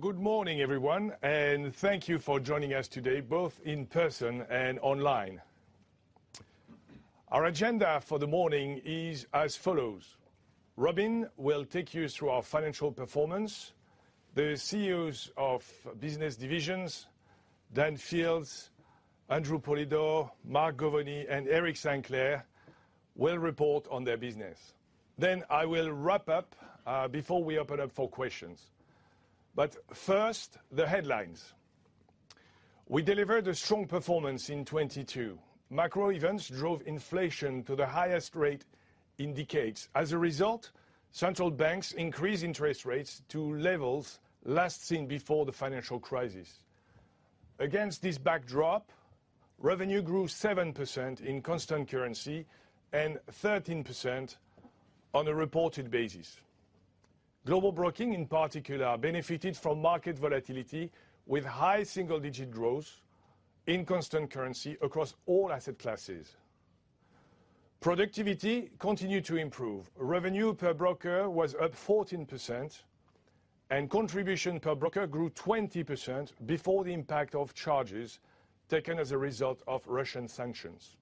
Good morning, everyone, and thank you for joining us today, both in person and online. Our agenda for the morning is as follows: Robin will take you through our financial performance. The CEOs of business divisions, Daniel Fields, Andrew Polydor, Mark Govoni, and Eric Sinclair will report on their business. I will wrap up before we open up for questions. First, the headlines. We delivered a strong performance in 2022. Macro events drove inflation to the highest rate in decades. As a result, central banks increased interest rates to levels last seen before the financial crisis. Against this backdrop, revenue grew 7% in constant currency and 13% on a reported basis. Global Broking, in particular, benefited from market volatility with high single-digit growth in constant currency across all asset classes. Productivity continued to improve. Revenue per broker was up 14%, and contribution per broker grew 20% before the impact of charges taken as a result of Russian sanctions.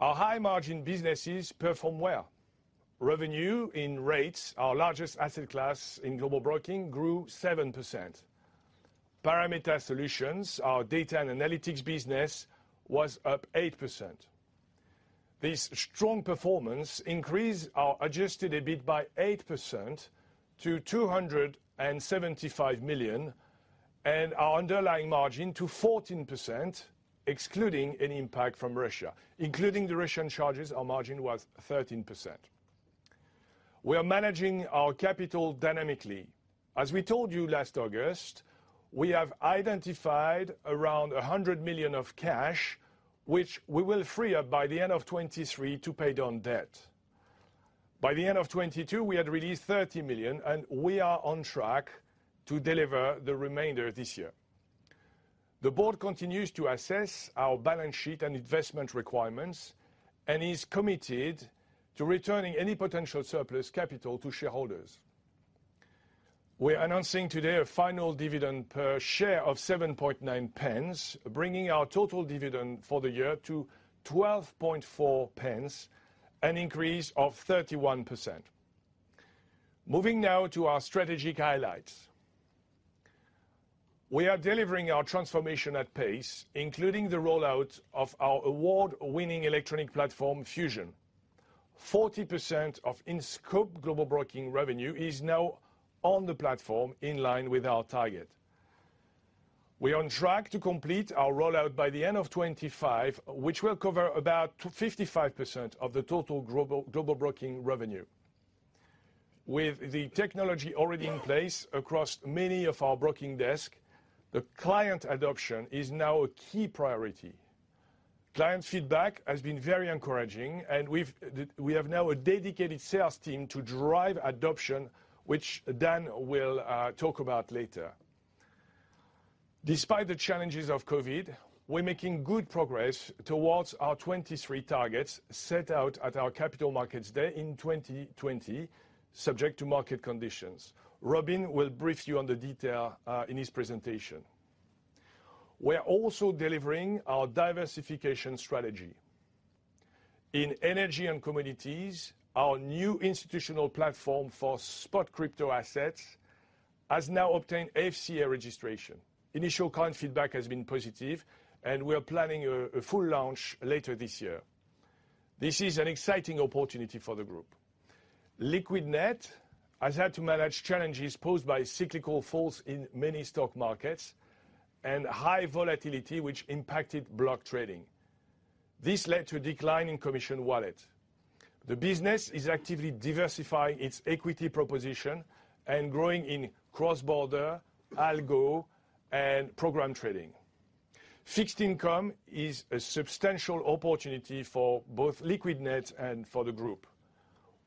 Our high-margin businesses perform well. Revenue in rates, our largest asset class in Global Broking, grew 7%. Parameta Solutions, our data and analytics business, was up 8%. This strong performance increased our Adjusted EBIT by 8% to 275 million, and our underlying margin to 14%, excluding any impact from Russia. Including the Russian charges, our margin was 13%. We are managing our capital dynamically. As we told you last August, we have identified around 100 million of cash, which we will free up by the end of 2023 to pay down debt. By the end of 2022, we had released 30 million, and we are on track to deliver the remainder this year. The board continues to assess our balance sheet and investment requirements and is committed to returning any potential surplus capital to shareholders. We're announcing today a final dividend per share of 0.079, bringing our total dividend for the year to 0.124, an increase of 31%. Moving now to our strategic highlights. We are delivering our transformation at pace, including the rollout of our award-winning electronic platform, Fusion. 40% of in-scope Global Broking revenue is now on the platform, in line with our target. We are on track to complete our rollout by the end of 2025, which will cover about 55% of the total Global Broking revenue. With the technology already in place across many of our broking desk, the client adoption is now a key priority. Client feedback has been very encouraging, and we have now a dedicated sales team to drive adoption, which Dan will talk about later. Despite the challenges of COVID, we're making good progress towards our 23 targets set out at our Capital Markets Day in 2020, subject to market conditions. Robin will brief you on the detail in his presentation. We're also delivering our diversification strategy. In Energy & Commodities, our new institutional platform for spot crypto assets has now obtained FCA registration. Initial client feedback has been positive, and we are planning a full launch later this year. This is an exciting opportunity for the group. Liquidnet has had to manage challenges posed by cyclical falls in many stock markets and high volatility which impacted block trading. This led to a decline in commission wallet. The business is actively diversifying its equity proposition and growing in cross-border, algo, and program trading. Fixed income is a substantial opportunity for both Liquidnet and for the group.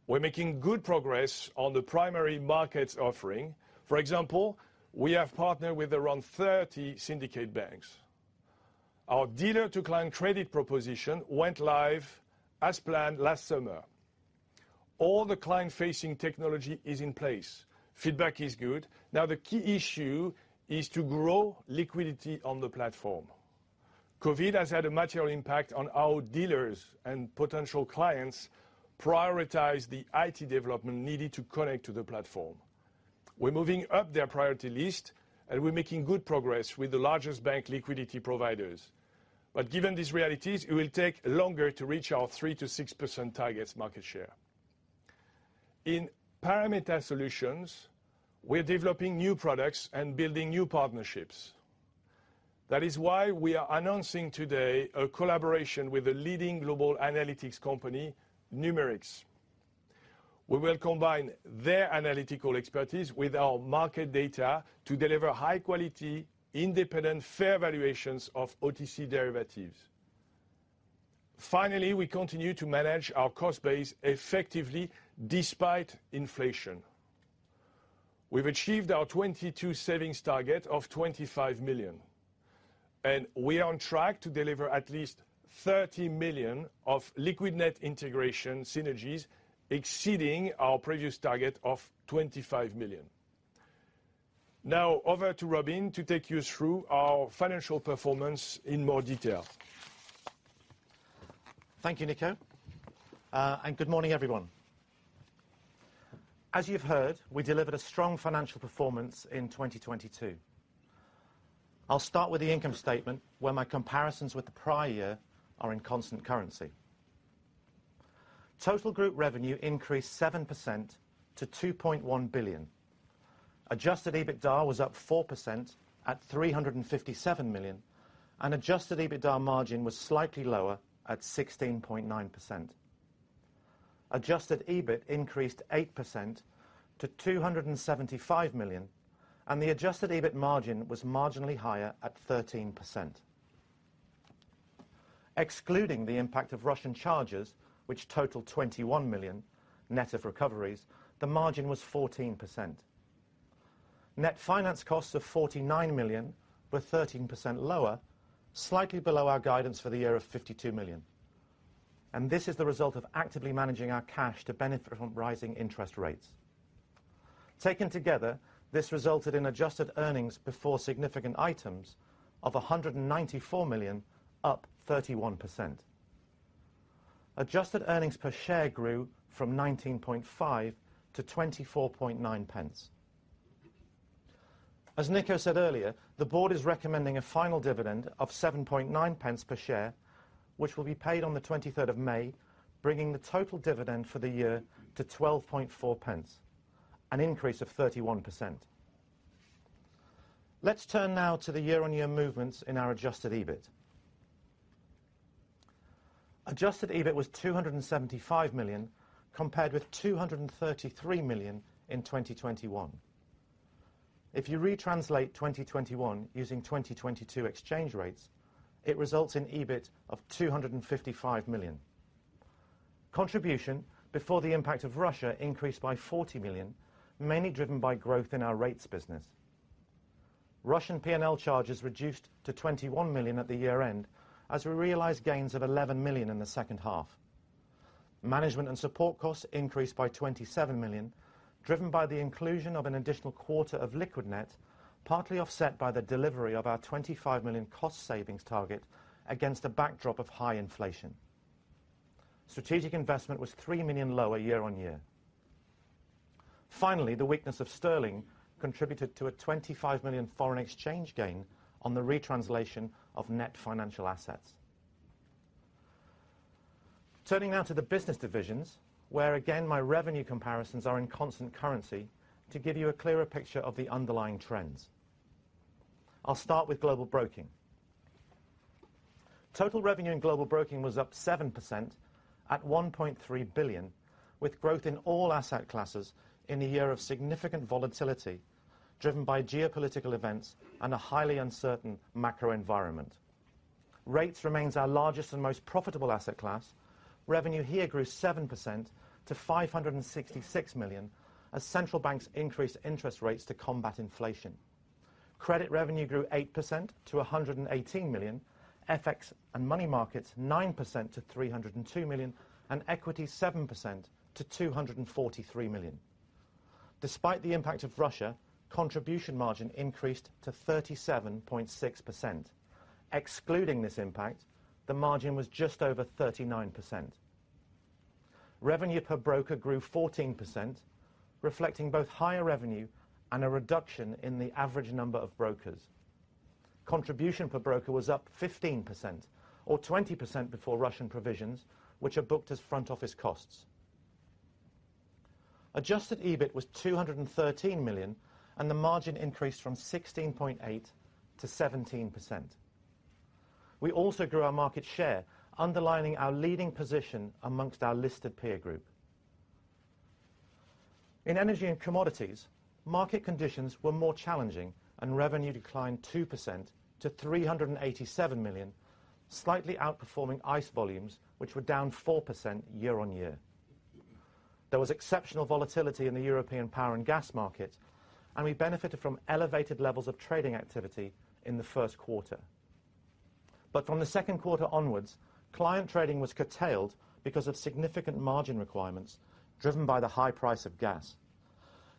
We're making good progress on the primary markets offering. For example, we have partnered with around 30 syndicate banks. Our dealer-to-client credit proposition went live as planned last summer. All the client-facing technology is in place. Feedback is good. Now, the key issue is to grow liquidity on the platform. COVID has had a material impact on our dealers and potential clients prioritize the IT development needed to connect to the platform. We're moving up their priority list, and we're making good progress with the largest bank liquidity providers. Given these realities, it will take longer to reach our 3%-6% targets market share. In Parameta Solutions, we're developing new products and building new partnerships. That is why we are announcing today a collaboration with a leading global analytics company, Numerix. We will combine their analytical expertise with our market data to deliver high quality, independent, fair valuations of OTC derivatives. Finally, we continue to manage our cost base effectively despite inflation. We've achieved our 2022 savings target of 25 million. We are on track to deliver at least 30 million of Liquidnet integration synergies, exceeding our previous target of 25 million. Now over to Robin to take you through our financial performance in more detail. Thank you, Nico. Good morning, everyone. As you've heard, we delivered a strong financial performance in 2022. I'll start with the income statement where my comparisons with the prior year are in constant currency. Total group revenue increased 7% to 2.1 billion. Adjusted EBITDA was up 4% at 357 million, and Adjusted EBITDA margin was slightly lower at 16.9%. Adjusted EBIT increased 8% to 275 million, and the Adjusted EBIT margin was marginally higher at 13%. Excluding the impact of Russian charges, which totaled 21 million, net of recoveries, the margin was 14%. Net finance costs of 49 million were 13% lower, slightly below our guidance for the year of 52 million. This is the result of actively managing our cash to benefit from rising interest rates. Taken together, this resulted in adjusted earnings before significant items of 194 million, up 31%. Adjusted earnings per share grew from 19.5 to 24.9 pence. As Nico said earlier, the board is recommending a final dividend of 7.9 pence per share, which will be paid on the 23rd of May, bringing the total dividend for the year to 12.4 pence, an increase of 31%. Let's turn now to the year-on-year movements in our Adjusted EBIT. Adjusted EBIT was 275 million, compared with 233 million in 2021. If you retranslate 2021 using 2022 exchange rates, it results in EBIT of 255 million. Contribution before the impact of Russia increased by 40 million, mainly driven by growth in our rates business. Russian P&L charges reduced to 21 million at the year-end, as we realized gains of 11 million in the second half. Management and support costs increased by 27 million, driven by the inclusion of an additional quarter of Liquidnet, partly offset by the delivery of our 25 million cost savings target against a backdrop of high inflation. Strategic investment was 3 million lower year-on-year. Finally, the weakness of sterling contributed to a 25 million foreign exchange gain on the retranslation of net financial assets. Turning now to the business divisions, where again my revenue comparisons are in constant currency to give you a clearer picture of the underlying trends. I'll start with Global Broking. Total revenue in Global Broking was up 7% at 1.3 billion, with growth in all asset classes in a year of significant volatility, driven by geopolitical events and a highly uncertain macro environment. Rates remains our largest and most profitable asset class. Revenue here grew 7% to 566 million, as central banks increased interest rates to combat inflation. Credit revenue grew 8% to 118 million, FX and money markets, 9% to 302 million, and equity, 7% to 243 million. Despite the impact of Russia, contribution margin increased to 37.6%. Excluding this impact, the margin was just over 39%. Revenue per broker grew 14%, reflecting both higher revenue and a reduction in the average number of brokers. Contribution per broker was up 15% or 20 before Russian provisions, which are booked as front office costs. Adjusted EBIT was 213 million, and the margin increased from 16.8% to 17%. We also grew our market share, underlining our leading position amongst our listed peer group. In Energy & Commodities, market conditions were more challenging and revenue declined 2% to 387 million, slightly outperforming ICE volumes, which were down 4% year-on-year. There was exceptional volatility in the European power and gas market, and we benefited from elevated levels of trading activity in the first quarter. From the second quarter onwards, client trading was curtailed because of significant margin requirements driven by the high price of gas.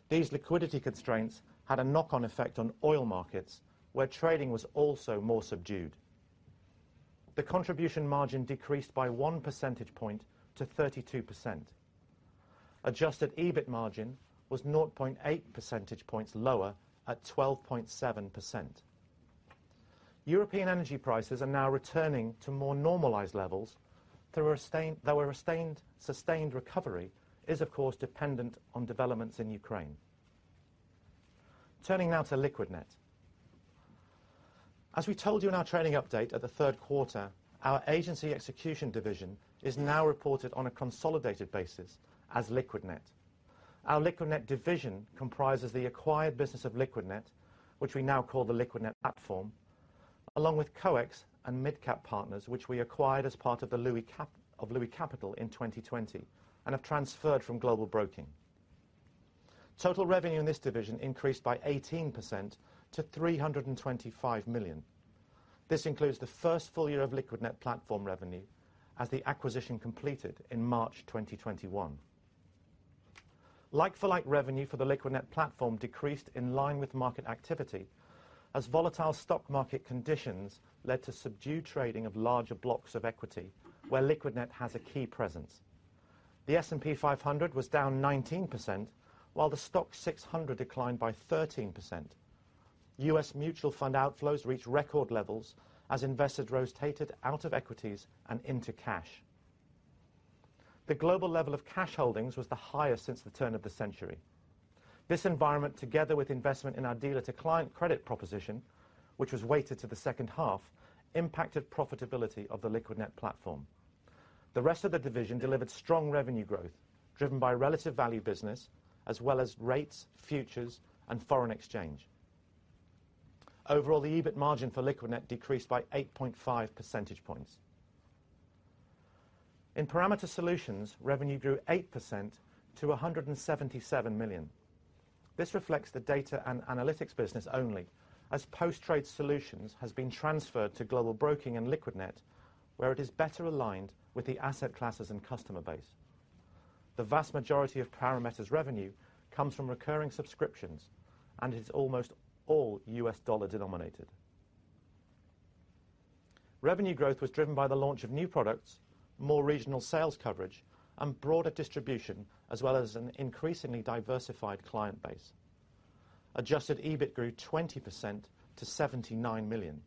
These liquidity constraints had a knock-on effect on oil markets, where trading was also more subdued. The contribution margin decreased by 1 percentage point to 32%. Adjusted EBIT margin was 0.8 percentage points lower at 12.7%. European energy prices are now returning to more normalized levels. A sustained recovery is, of course, dependent on developments in Ukraine. Turning now to Liquidnet. As we told you in our trading update at the third quarter, our agency execution division is now reported on a consolidated basis as Liquidnet. Our Liquidnet division comprises the acquired business of Liquidnet, which we now call the Liquidnet platform, along with COEX and MidCap Partners, which we acquired as part of Louis Capital in 2020, and have transferred from Global Broking. Total revenue in this division increased by 18% to 325 million. This includes the first full year of Liquidnet platform revenue as the acquisition completed in March 2021. Like for like revenue for the Liquidnet platform decreased in line with market activity as volatile stock market conditions led to subdued trading of larger blocks of equity where Liquidnet has a key presence. The S&P 500 was down 19%, while the STOXX 600 declined by 13%. US mutual fund outflows reached record levels as investors rotated out of equities and into cash. The global level of cash holdings was the highest since the turn of the century. This environment, together with investment in our dealer-to-client credit proposition, which was weighted to the second half, impacted profitability of the Liquidnet platform. The rest of the division delivered strong revenue growth, driven by relative value business as well as rates, futures, and foreign exchange. Overall, the EBIT margin for Liquidnet decreased by 8.5 percentage points. In Parameta Solutions, revenue grew 8% to $177 million. This reflects the data and analytics business only, as post-trade solutions has been transferred to Global Broking and Liquidnet, where it is better aligned with the asset classes and customer base. The vast majority of Parameta's revenue comes from recurring subscriptions, and it's almost all US dollar denominated. Revenue growth was driven by the launch of new products, more regional sales coverage, and broader distribution, as well as an increasingly diversified client base. Adjusted EBIT grew 20% to $79 million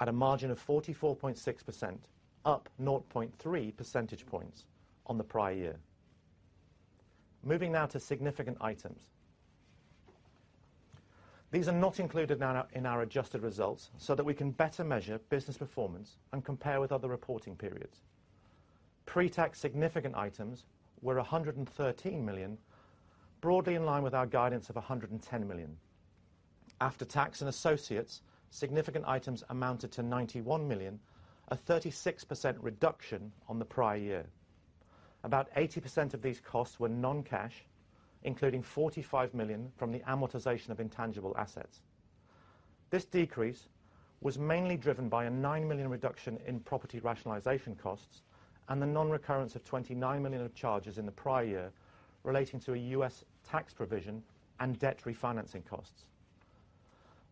at a margin of 44.6%, up 0.3 percentage points on the prior year. Moving now to significant items. These are not included in our adjusted results so that we can better measure business performance and compare with other reporting periods. Pre-tax significant items were 113 million, broadly in line with our guidance of 110 million. After tax and associates, significant items amounted to 91 million, a 36% reduction on the prior year. About 80% of these costs were non-cash, including 45 million from the amortization of intangible assets. This decrease was mainly driven by a 9 million reduction in property rationalization costs and the non-recurrence of 29 million of charges in the prior year relating to a U.S. tax provision and debt refinancing costs.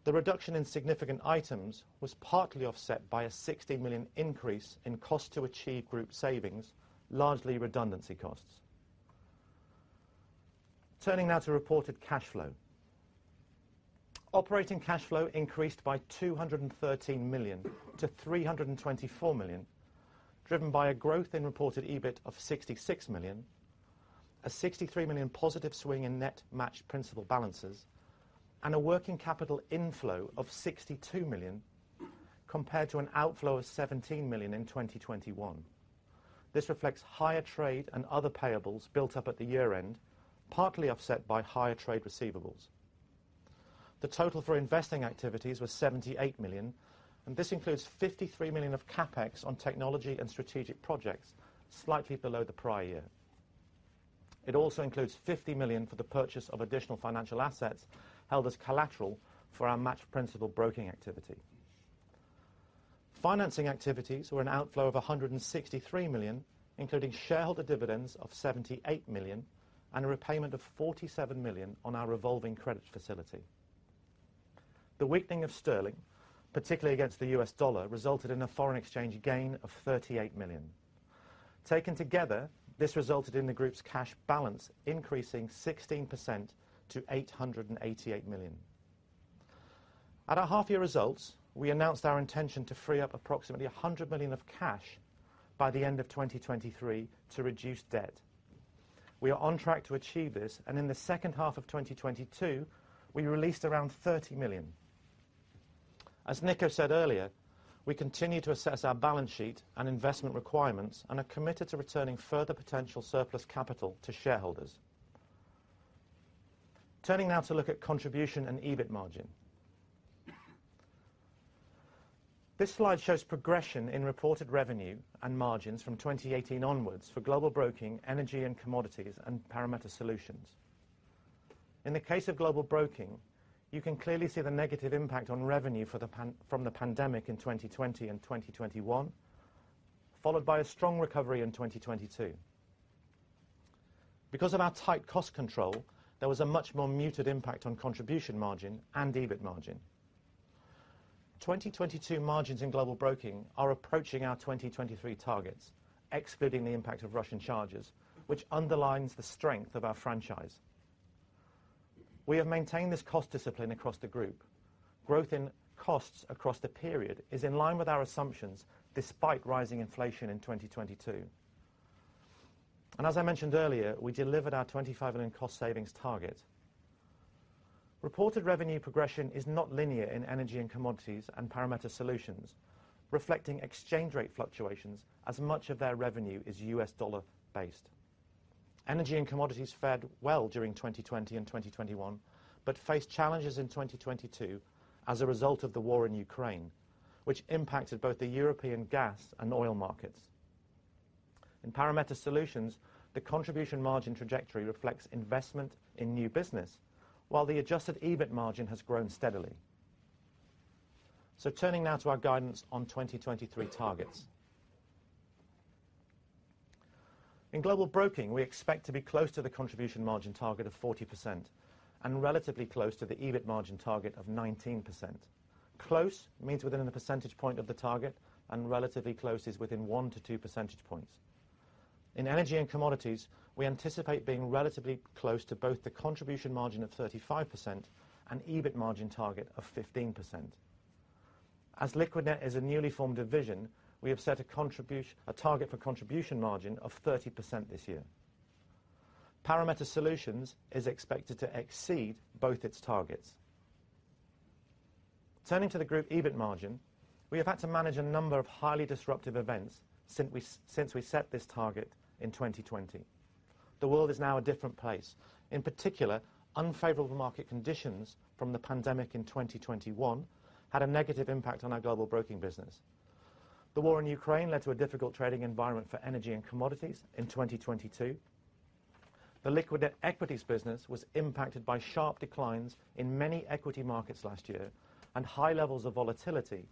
The reduction in significant items was partly offset by a 60 million increase in cost to achieve group savings, largely redundancy costs. Turning now to reported cash flow. Operating cash flow increased by 213 million to 324 million, driven by a growth in reported EBIT of 66 million, a 63 million positive swing in net matched principal balances, and a working capital inflow of 62 million compared to an outflow of 17 million in 2021. This reflects higher trade and other payables built up at the year-end, partly offset by higher trade receivables. The total for investing activities was 78 million. This includes 53 million of CapEx on technology and strategic projects, slightly below the prior year. It also includes 50 million for the purchase of additional financial assets held as collateral for our matched principal broking activity. Financing activities were an outflow of 163 million, including shareholder dividends of 78 million and a repayment of 47 million on our revolving credit facility. The weakening of sterling, particularly against the US dollar, resulted in a foreign exchange gain of 38 million. Taken together, this resulted in the group's cash balance increasing 16% to 888 million. At our half-year results, we announced our intention to free up approximately 100 million of cash by the end of 2023 to reduce debt. We are on track to achieve this, and in the second half of 2022, we released around 30 million. As Nico said earlier, we continue to assess our balance sheet and investment requirements and are committed to returning further potential surplus capital to shareholders. Turning now to look at contribution and EBIT margin. This slide shows progression in reported revenue and margins from 2018 onwards for Global Broking, Energy & Commodities, and Parameta Solutions. In the case of Global Broking, you can clearly see the negative impact on revenue from the pandemic in 2020 and 2021, followed by a strong recovery in 2022. Because of our tight cost control, there was a much more muted impact on contribution margin and EBIT margin. 2022 margins in Global Broking are approaching our 2023 targets, excluding the impact of Russian charges, which underlines the strength of our franchise. We have maintained this cost discipline across the group. Growth in costs across the period is in line with our assumptions despite rising inflation in 2022. As I mentioned earlier, we delivered our 25 million cost savings target. Reported revenue progression is not linear in Energy and Commodities and Parameta Solutions, reflecting exchange rate fluctuations as much of their revenue is US dollar based. Energy & Commodities fared well during 2020 and 2021, but faced challenges in 2022 as a result of the war in Ukraine, which impacted both the European gas and oil markets. In Parameta Solutions, the contribution margin trajectory reflects investment in new business, while the Adjusted EBIT margin has grown steadily. Turning now to our guidance on 2023 targets. In Global Broking, we expect to be close to the contribution margin target of 40% and relatively close to the EBIT margin target of 19%. Close means within the percentage point of the target and relatively close is within 1-2 percentage points. In Energy & Commodities, we anticipate being relatively close to both the contribution margin of 35% and EBIT margin target of 15%. As Liquidnet is a newly formed division, we have set a target for contribution margin of 30% this year. Parameta Solutions is expected to exceed both its targets. Turning to the group EBIT margin, we have had to manage a number of highly disruptive events since we set this target in 2020. The world is now a different place. In particular, unfavorable market conditions from the pandemic in 2021 had a negative impact on our Global Broking business. The war in Ukraine led to a difficult trading environment for Energy & Commodities in 2022. The Liquidnet Equities business was impacted by sharp declines in many equity markets last year and high levels of volatility,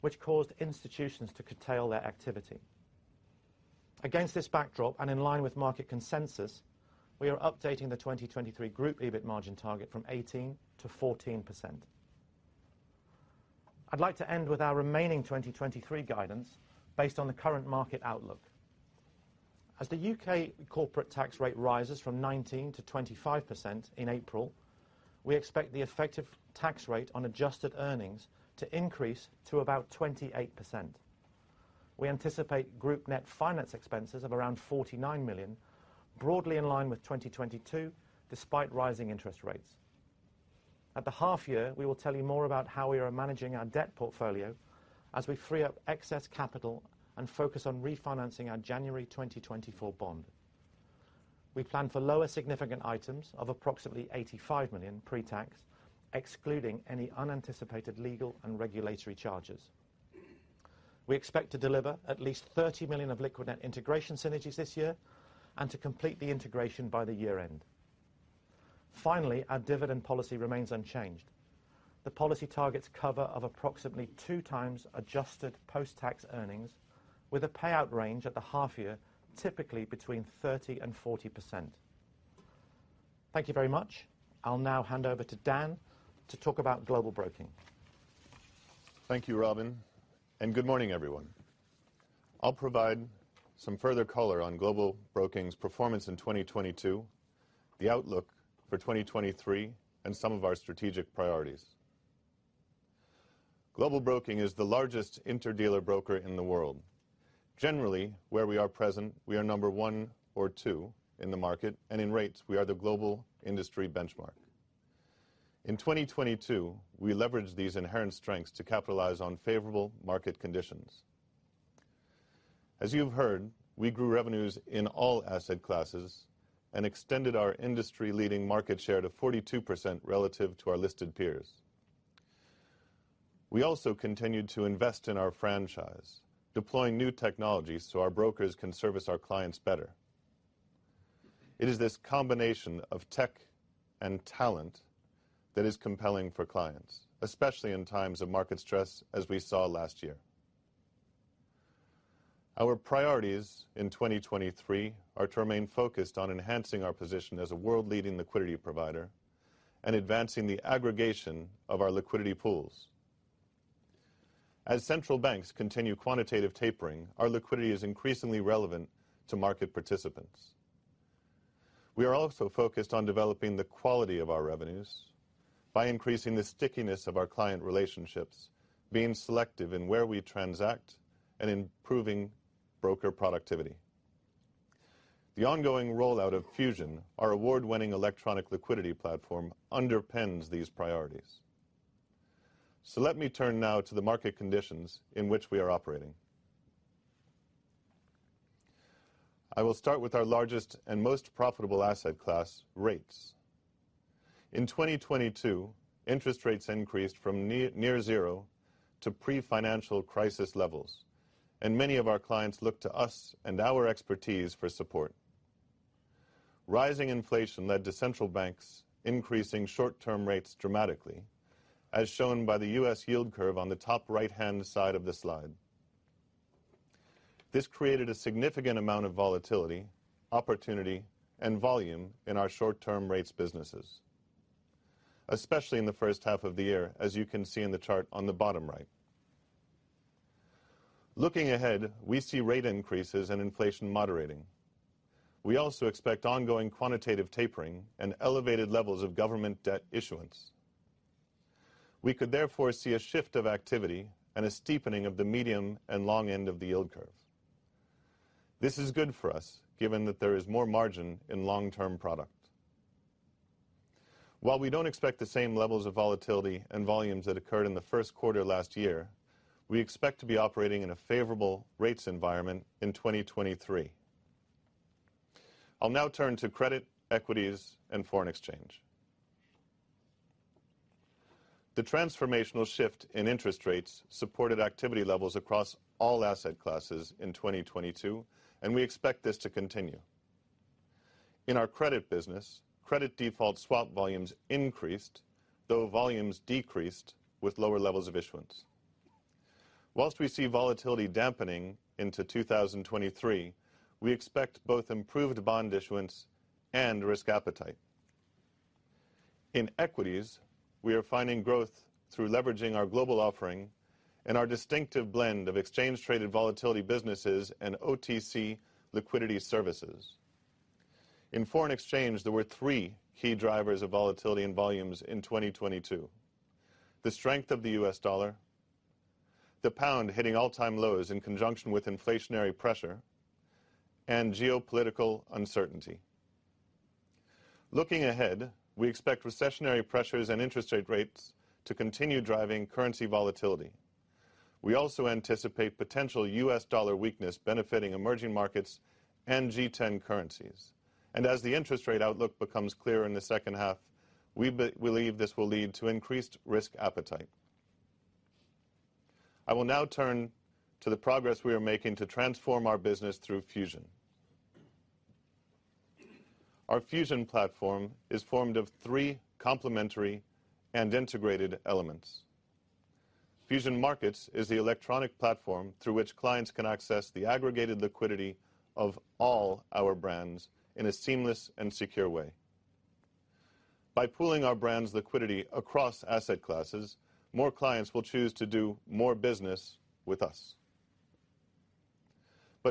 which caused institutions to curtail their activity. Against this backdrop, in line with market consensus, we are updating the 2023 group EBIT margin target from 18% to 14%. I'd like to end with our remaining 2023 guidance based on the current market outlook. As the UK corporate tax rate rises from 19% to 25% in April, we expect the effective tax rate on adjusted earnings to increase to about 28%. We anticipate group net finance expenses of around 49 million, broadly in line with 2022, despite rising interest rates. At the half year, we will tell you more about how we are managing our debt portfolio as we free up excess capital and focus on refinancing our January 2024 bond. We plan for lower significant items of approximately 85 million pre-tax, excluding any unanticipated legal and regulatory charges. We expect to deliver at least 30 million of Liquidnet integration synergies this year and to complete the integration by the year-end. Our dividend policy remains unchanged. The policy targets cover of approximately 2 times adjusted post-tax earnings with a payout range at the half year, typically between 30% and 40%. Thank you very much. I'll now hand over to Dan to talk about Global Broking. Thank you, Robin. Good morning, everyone. I'll provide some further color on Global Broking's performance in 2022, the outlook for 2023, and some of our strategic priorities. Global Broking is the largest interdealer broker in the world. Generally, where we are present, we are number one or two in the market, and in rates, we are the global industry benchmark. In 2022, we leveraged these inherent strengths to capitalize on favorable market conditions. As you've heard, we grew revenues in all asset classes and extended our industry-leading market share to 42% relative to our listed peers. We also continued to invest in our franchise, deploying new technologies so our brokers can service our clients better. It is this combination of tech and talent that is compelling for clients, especially in times of market stress as we saw last year. Our priorities in 2023 are to remain focused on enhancing our position as a world leading liquidity provider and advancing the aggregation of our liquidity pools. As central banks continue quantitative tapering, our liquidity is increasingly relevant to market participants. We are also focused on developing the quality of our revenues by increasing the stickiness of our client relationships, being selective in where we transact, and improving broker productivity. The ongoing rollout of Fusion, our award-winning electronic liquidity platform, underpins these priorities. Let me turn now to the market conditions in which we are operating. I will start with our largest and most profitable asset class, rates. In 2022, interest rates increased from near zero to pre-financial crisis levels, and many of our clients look to us and our expertise for support. Rising inflation led to central banks increasing short-term rates dramatically, as shown by the U.S. yield curve on the top right-hand side of the slide. This created a significant amount of volatility, opportunity, and volume in our short-term rates businesses, especially in the first half of the year, as you can see in the chart on the bottom right. Looking ahead, we see rate increases and inflation moderating. We also expect ongoing quantitative tapering and elevated levels of government debt issuance. We could therefore see a shift of activity and a steepening of the medium and long end of the yield curve. This is good for us, given that there is more margin in long-term product. While we don't expect the same levels of volatility and volumes that occurred in the first quarter last year, we expect to be operating in a favorable rates environment in 2023. I'll now turn to credit, equities, and foreign exchange. The transformational shift in interest rates supported activity levels across all asset classes in 2022. We expect this to continue. In our credit business, credit default swap volumes increased, though volumes decreased with lower levels of issuance. Whilst we see volatility dampening into 2023, we expect both improved bond issuance and risk appetite. In equities, we are finding growth through leveraging our global offering and our distinctive blend of exchange traded volatility businesses and OTC liquidity services. In foreign exchange, there were 3 key drivers of volatility and volumes in 2022: the strength of the US dollar, the pound hitting all-time lows in conjunction with inflationary pressure, and geopolitical uncertainty. Looking ahead, we expect recessionary pressures and interest rates to continue driving currency volatility. We also anticipate potential US dollar weakness benefiting emerging markets and G10 currencies. As the interest rate outlook becomes clearer in the second half, we believe this will lead to increased risk appetite. I will now turn to the progress we are making to transform our business through Fusion. Our Fusion platform is formed of three complementary and integrated elements. Fusion Markets is the electronic platform through which clients can access the aggregated liquidity of all our brands in a seamless and secure way. By pooling our brands' liquidity across asset classes, more clients will choose to do more business with us.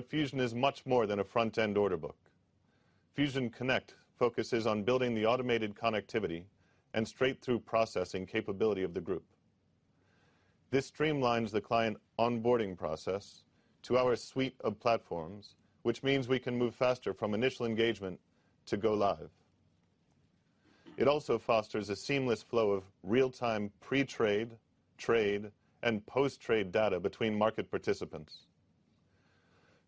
Fusion is much more than a front end order book. Fusion Connect focuses on building the automated connectivity and straight-through processing capability of the group. This streamlines the client onboarding process to our suite of platforms, which means we can move faster from initial engagement to go live. It also fosters a seamless flow of real-time pre-trade, trade, and post-trade data between market participants.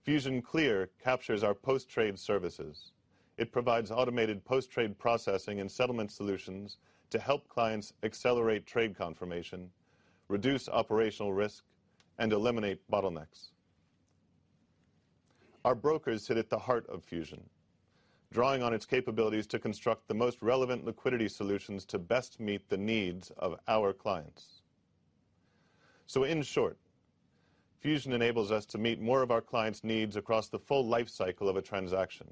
FusionClear captures our post-trade services. It provides automated post-trade processing and settlement solutions to help clients accelerate trade confirmation, reduce operational risk, and eliminate bottlenecks. Our brokers sit at the heart of Fusion, drawing on its capabilities to construct the most relevant liquidity solutions to best meet the needs of our clients. In short, Fusion enables us to meet more of our clients' needs across the full lifecycle of a transaction.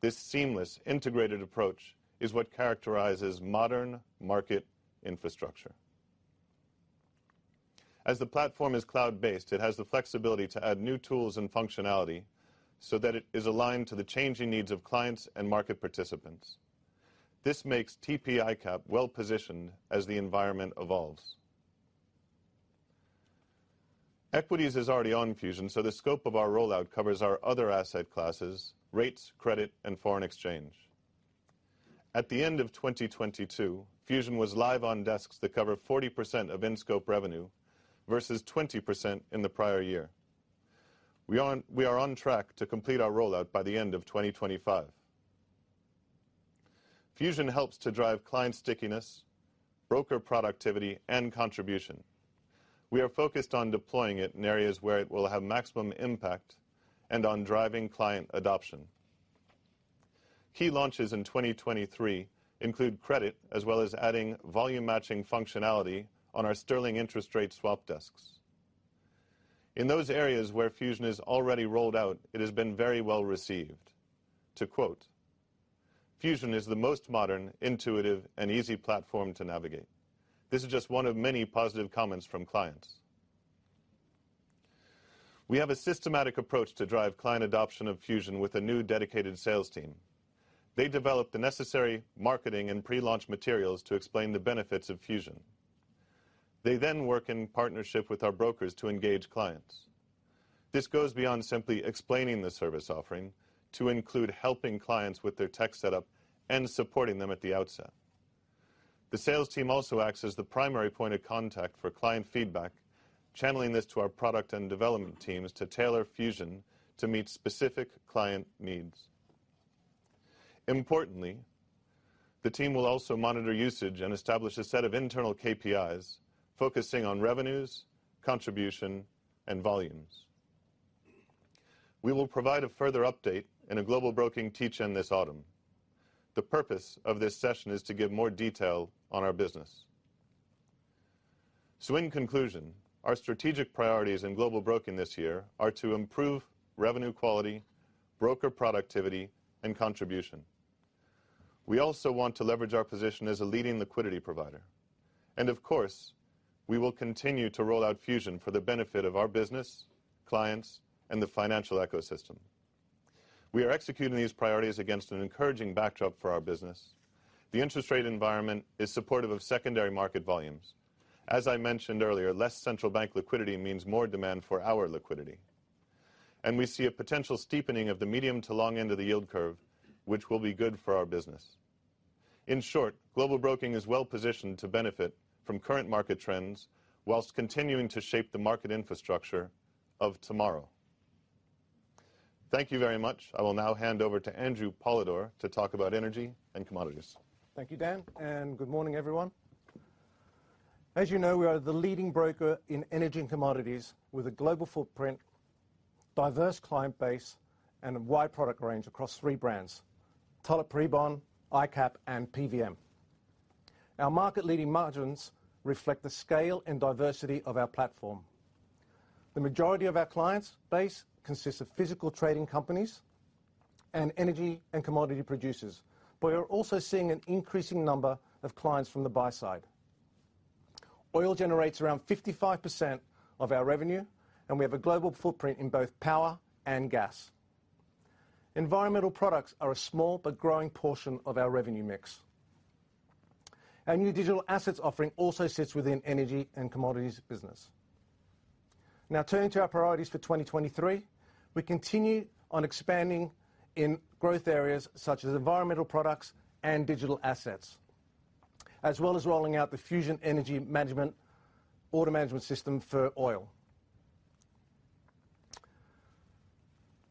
This seamless, integrated approach is what characterizes modern market infrastructure. As the platform is cloud-based, it has the flexibility to add new tools and functionality so that it is aligned to the changing needs of clients and market participants. This makes TP ICAP well positioned as the environment evolves. Equities is already on Fusion, so the scope of our rollout covers our other asset classes, rates, credit and foreign exchange. At the end of 2022, Fusion was live on desks that cover 40% of in-scope revenue versus 20% in the prior year. We are on track to complete our rollout by the end of 2025. Fusion helps to drive client stickiness, broker productivity and contribution. We are focused on deploying it in areas where it will have maximum impact and on driving client adoption. Key launches in 2023 include credit as well as adding volume matching functionality on our sterling interest rate swap desks. In those areas where Fusion is already rolled out, it has been very well received. To quote, "Fusion is the most modern, intuitive, and easy platform to navigate." This is just one of many positive comments from clients. We have a systematic approach to drive client adoption of Fusion with a new dedicated sales team. They develop the necessary marketing and pre-launch materials to explain the benefits of Fusion. They work in partnership with our brokers to engage clients. This goes beyond simply explaining the service offering to include helping clients with their tech setup and supporting them at the outset. The sales team also acts as the primary point of contact for client feedback, channeling this to our product and development teams to tailor Fusion to meet specific client needs. Importantly, the team will also monitor usage and establish a set of internal KPIs focusing on revenues, contribution, and volumes. We will provide a further update in a Global Broking teach-in this autumn. The purpose of this session is to give more detail on our business. In conclusion, our strategic priorities in Global Broking this year are to improve revenue quality, broker productivity and contribution. We also want to leverage our position as a leading liquidity provider. Of course, we will continue to roll out Fusion for the benefit of our business, clients, and the financial ecosystem. We are executing these priorities against an encouraging backdrop for our business. The interest rate environment is supportive of secondary market volumes. As I mentioned earlier, less central bank liquidity means more demand for our liquidity. We see a potential steepening of the medium to long end of the yield curve, which will be good for our business. In short, Global Broking is well positioned to benefit from current market trends while continuing to shape the market infrastructure of tomorrow. Thank you very much. I will now hand over to Andrew Polydor to talk about Energy & Commodities. Thank you, Dan, and good morning, everyone. As you know, we are the leading broker in Energy & Commodities with a global footprint, diverse client base, and a wide product range across three brands, Tullett Prebon, ICAP, and PVM. Our market-leading margins reflect the scale and diversity of our platform. The majority of our clients base consists of physical trading companies and energy and commodity producers. We are also seeing an increasing number of clients from the buy side. Oil generates around 55% of our revenue, and we have a global footprint in both power and gas. Environmental products are a small but growing portion of our revenue mix. Our new digital assets offering also sits within Energy & Commodities business. Now turning to our priorities for 2023. We continue on expanding in growth areas such as environmental products and digital assets, as well as rolling out the Fusion Energy Management Order Management System for oil.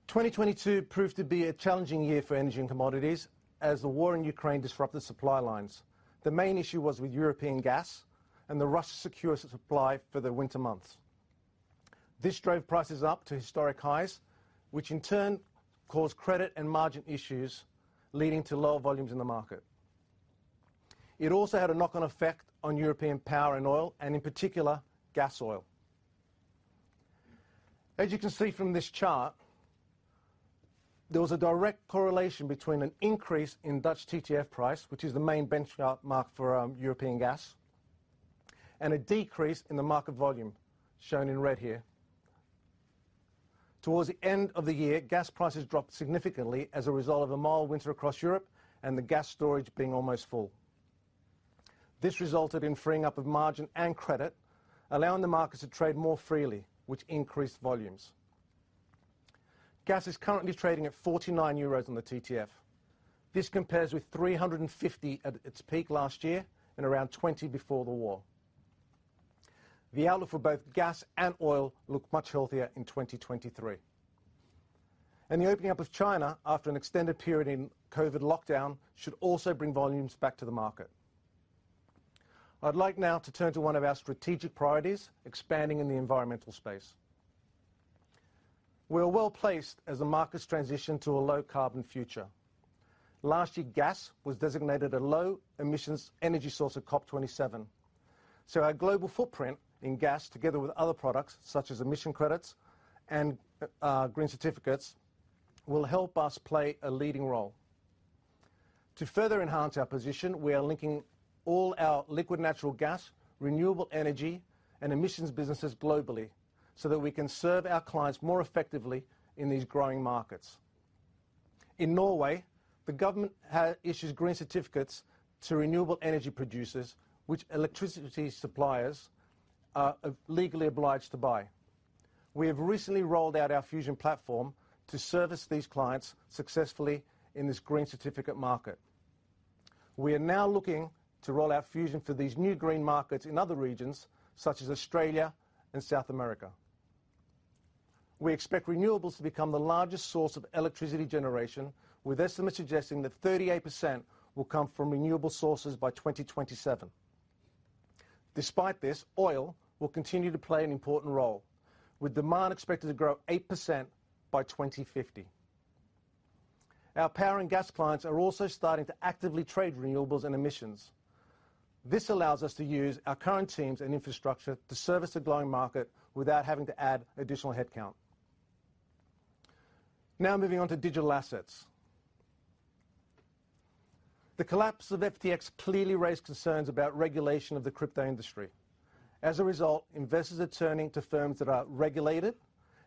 2022 proved to be a challenging year for Energy & Commodities as the war in Ukraine disrupted supply lines. The main issue was with European gas and the rush to secure supply for the winter months. This drove prices up to historic highs, which in turn caused credit and margin issues, leading to lower volumes in the market. It also had a knock-on effect on European power and oil and, in particular, gas oil. As you can see from this chart, there was a direct correlation between an increase in Dutch TTF price, which is the main benchmark for European gas, and a decrease in the market volume, shown in red here. Towards the end of the year, gas prices dropped significantly as a result of a mild winter across Europe and the gas storage being almost full. This resulted in freeing up of margin and credit, allowing the markets to trade more freely, which increased volumes. Gas is currently trading at 49 euros on the TTF. This compares with 350 at its peak last year and around 20 before the war. The outlook for both gas and oil look much healthier in 2023. The opening up of China after an extended period in COVID lockdown should also bring volumes back to the market. I'd like now to turn to one of our strategic priorities, expanding in the environmental space. We are well-placed as the markets transition to a low-carbon future. Last year, gas was designated a low-emissions energy source at COP27. Our global footprint in gas, together with other products such as emission credits and green certificates, will help us play a leading role. To further enhance our position, we are linking all our liquefied natural gas, renewable energy, and emissions businesses globally so that we can serve our clients more effectively in these growing markets. In Norway, the government issues green certificates to renewable energy producers, which electricity suppliers are legally obliged to buy. We have recently rolled out our Fusion platform to service these clients successfully in this green certificate market. We are now looking to roll out Fusion for these new green markets in other regions, such as Australia and South America. We expect renewables to become the largest source of electricity generation, with estimates suggesting that 38% will come from renewable sources by 2027. Despite this, oil will continue to play an important role, with demand expected to grow 8% by 2050. Our power and gas clients are also starting to actively trade renewables and emissions. This allows us to use our current teams and infrastructure to service a growing market without having to add additional headcount. Moving on to digital assets. The collapse of FTX clearly raised concerns about regulation of the crypto industry. Investors are turning to firms that are regulated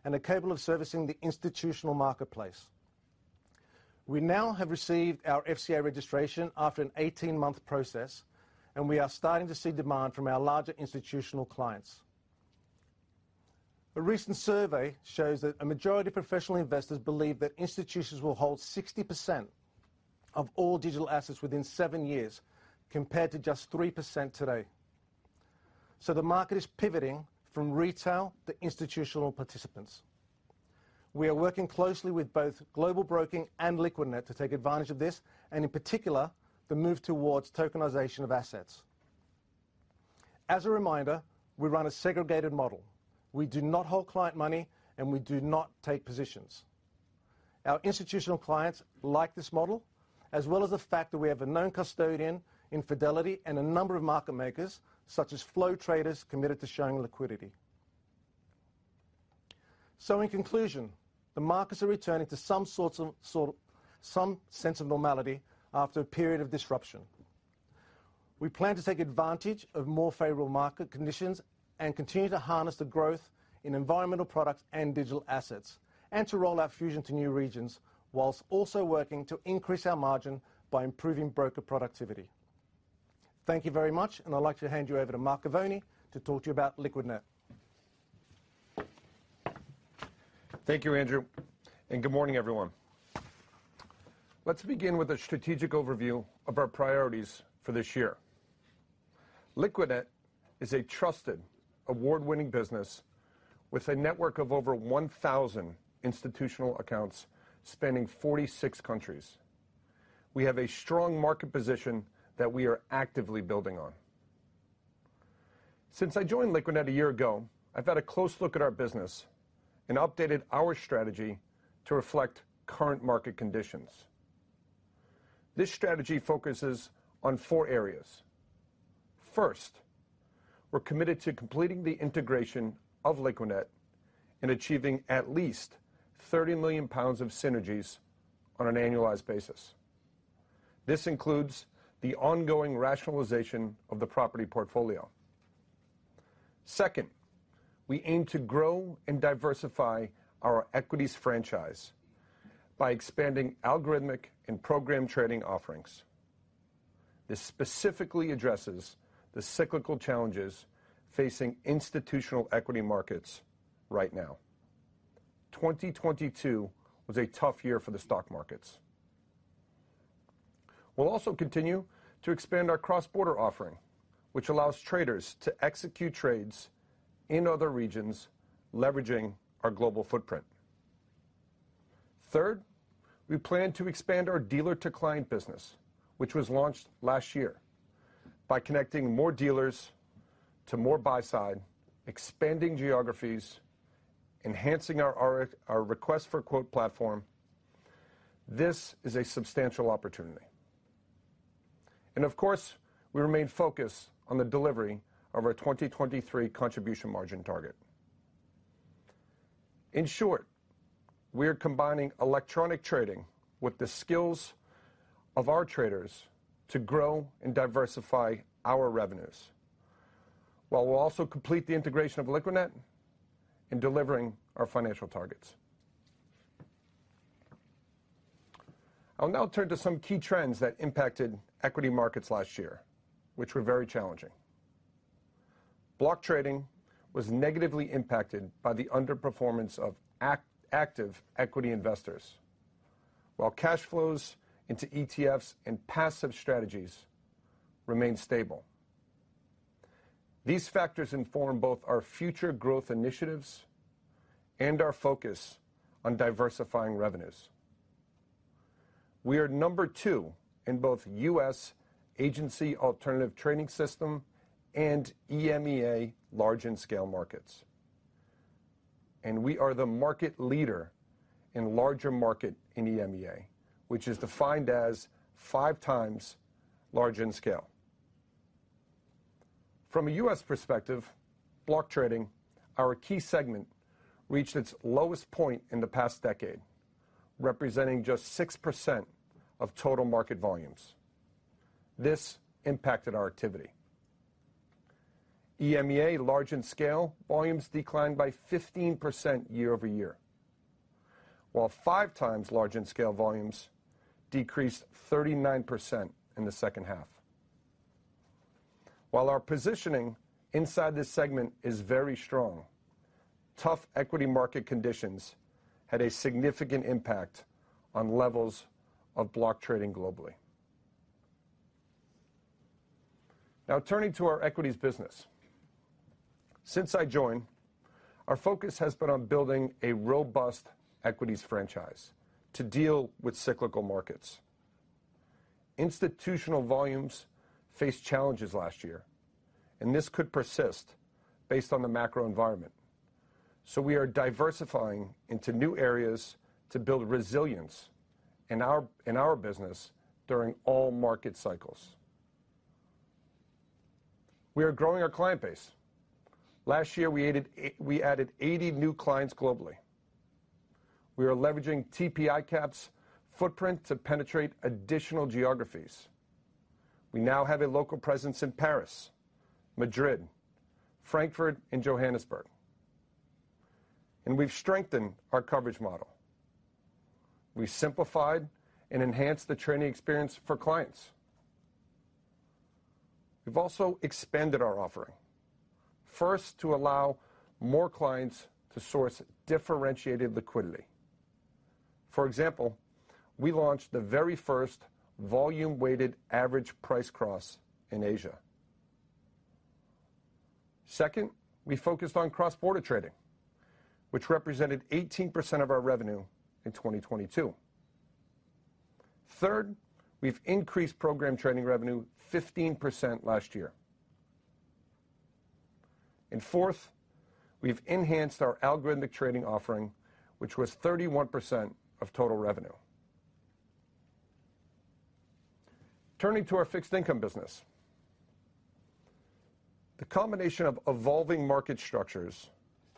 and are capable of servicing the institutional marketplace. We now have received our FCA registration after an 18-month process, and we are starting to see demand from our larger institutional clients. A recent survey shows that a majority of professional investors believe that institutions will hold 60% of all digital assets within seven years, compared to just 3% today. The market is pivoting from retail to institutional participants. We are working closely with both Global Broking and Liquidnet to take advantage of this and, in particular, the move towards tokenization of assets. As a reminder, we run a segregated model. We do not hold client money, and we do not take positions. Our institutional clients like this model, as well as the fact that we have a known custodian in Fidelity and a number of market makers, such as Flow Traders committed to showing liquidity. In conclusion, the markets are returning to some sense of normality after a period of disruption. We plan to take advantage of more favorable market conditions and continue to harness the growth in environmental products and digital assets, and to roll out Fusion to new regions whilst also working to increase our margin by improving broker productivity. Thank you very much. I'd like to hand you over to Mark Govoni to talk to you about Liquidnet. Thank you, Andrew, and good morning, everyone. Let's begin with a strategic overview of our priorities for this year. Liquidnet is a trusted, award-winning business with a network of over 1,000 institutional accounts spanning 46 countries. We have a strong market position that we are actively building on. Since I joined Liquidnet a year ago, I've had a close look at our business and updated our strategy to reflect current market conditions. This strategy focuses on 4 areas. First, we're committed to completing the integration of Liquidnet and achieving at least 30 million pounds of synergies on an annualized basis. This includes the ongoing rationalization of the property portfolio. Second, we aim to grow and diversify our equities franchise by expanding algorithmic and program trading offerings. This specifically addresses the cyclical challenges facing institutional equity markets right now. 2022 was a tough year for the stock markets. We'll also continue to expand our cross-border offering, which allows traders to execute trades in other regions, leveraging our global footprint. Third, we plan to expand our dealer-to-client business, which was launched last year, by connecting more dealers to more buy side, expanding geographies, enhancing our request for quote platform. This is a substantial opportunity. Of course, we remain focused on the delivery of our 2023 contribution margin target. In short, we are combining electronic trading with the skills of our traders to grow and diversify our revenues, while we'll also complete the integration of Liquidnet in delivering our financial targets. I'll now turn to some key trends that impacted equity markets last year, which were very challenging. Block trading was negatively impacted by the underperformance of active equity investors. While cash flows into ETFs and passive strategies remained stable. These factors inform both our future growth initiatives and our focus on diversifying revenues. We are number two in both U.S. Agency Alternative Trading System and EMEA Large in Scale markets. We are the market leader in larger market in EMEA, which is defined as five times Large in Scale. From a U.S. perspective, block trading, our key segment, reached its lowest point in the past decade, representing just 6% of total market volumes. This impacted our activity. EMEA Large in Scale volumes declined by 15% year-over-year, while five times Large in Scale volumes decreased 39% in the second half. While our positioning inside this segment is very strong, tough equity market conditions had a significant impact on levels of block trading globally. Turning to our equities business. Since I joined, our focus has been on building a robust equities franchise to deal with cyclical markets. Institutional volumes faced challenges last year. This could persist based on the macro environment. We are diversifying into new areas to build resilience in our business during all market cycles. We are growing our client base. Last year, we added 80 new clients globally. We are leveraging TP ICAP's footprint to penetrate additional geographies. We now have a local presence in Paris, Madrid, Frankfurt, and Johannesburg. We've strengthened our coverage model. We simplified and enhanced the training experience for clients. We've also expanded our offering. First, to allow more clients to source differentiated liquidity. For example, we launched the very first volume-weighted average price cross in Asia. Second, we focused on cross-border trading, which represented 18% of our revenue in 2022. Third, we've increased program trading revenue 15% last year. Fourth, we've enhanced our algorithmic trading offering, which was 31% of total revenue. Turning to our fixed income business. The combination of evolving market structures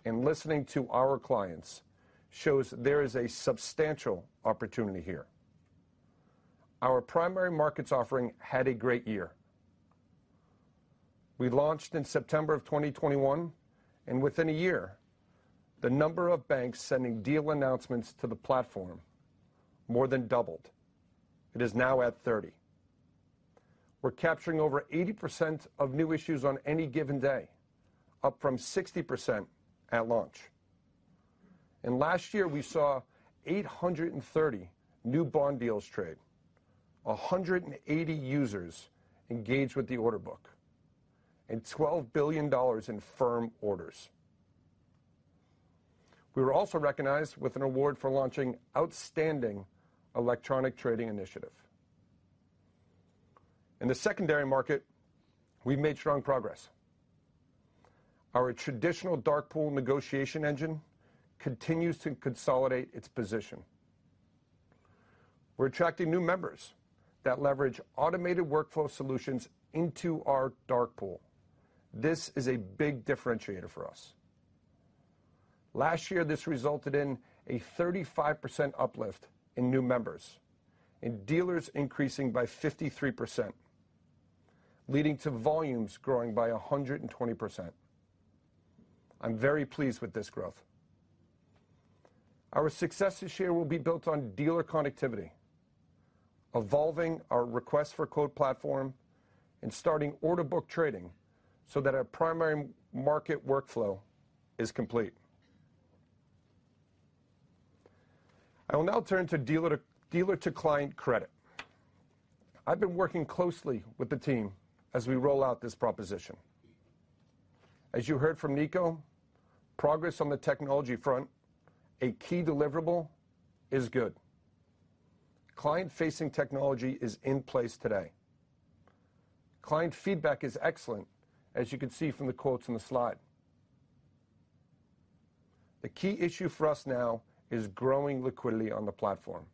and listening to our clients shows there is a substantial opportunity here. Our primary markets offering had a great year. We launched in September of 2021, and within a year, the number of banks sending deal announcements to the platform more than doubled. It is now at 30. We're capturing over 80% of new issues on any given day, up from 60% at launch. Last year, we saw 830 new bond deals trade, 180 users engage with the order book, and $12 billion in firm orders. We were also recognized with an award for launching outstanding electronic trading initiative. In the secondary market, we've made strong progress. Our traditional dark pool negotiation engine continues to consolidate its position. We're attracting new members that leverage automated workflow solutions into our dark pool. This is a big differentiator for us. Last year, this resulted in a 35% uplift in new members and dealers increasing by 53%, leading to volumes growing by 120%. I'm very pleased with this growth. Our success this year will be built on dealer connectivity, evolving our request for quote platform, and starting order book trading so that our primary market workflow is complete. I will now turn to dealer to client credit. I've been working closely with the team as we roll out this proposition. As you heard from Nico, progress on the technology front, a key deliverable is good. Client-facing technology is in place today. Client feedback is excellent, as you can see from the quotes on the slide. The key issue for us now is growing liquidity on the platform.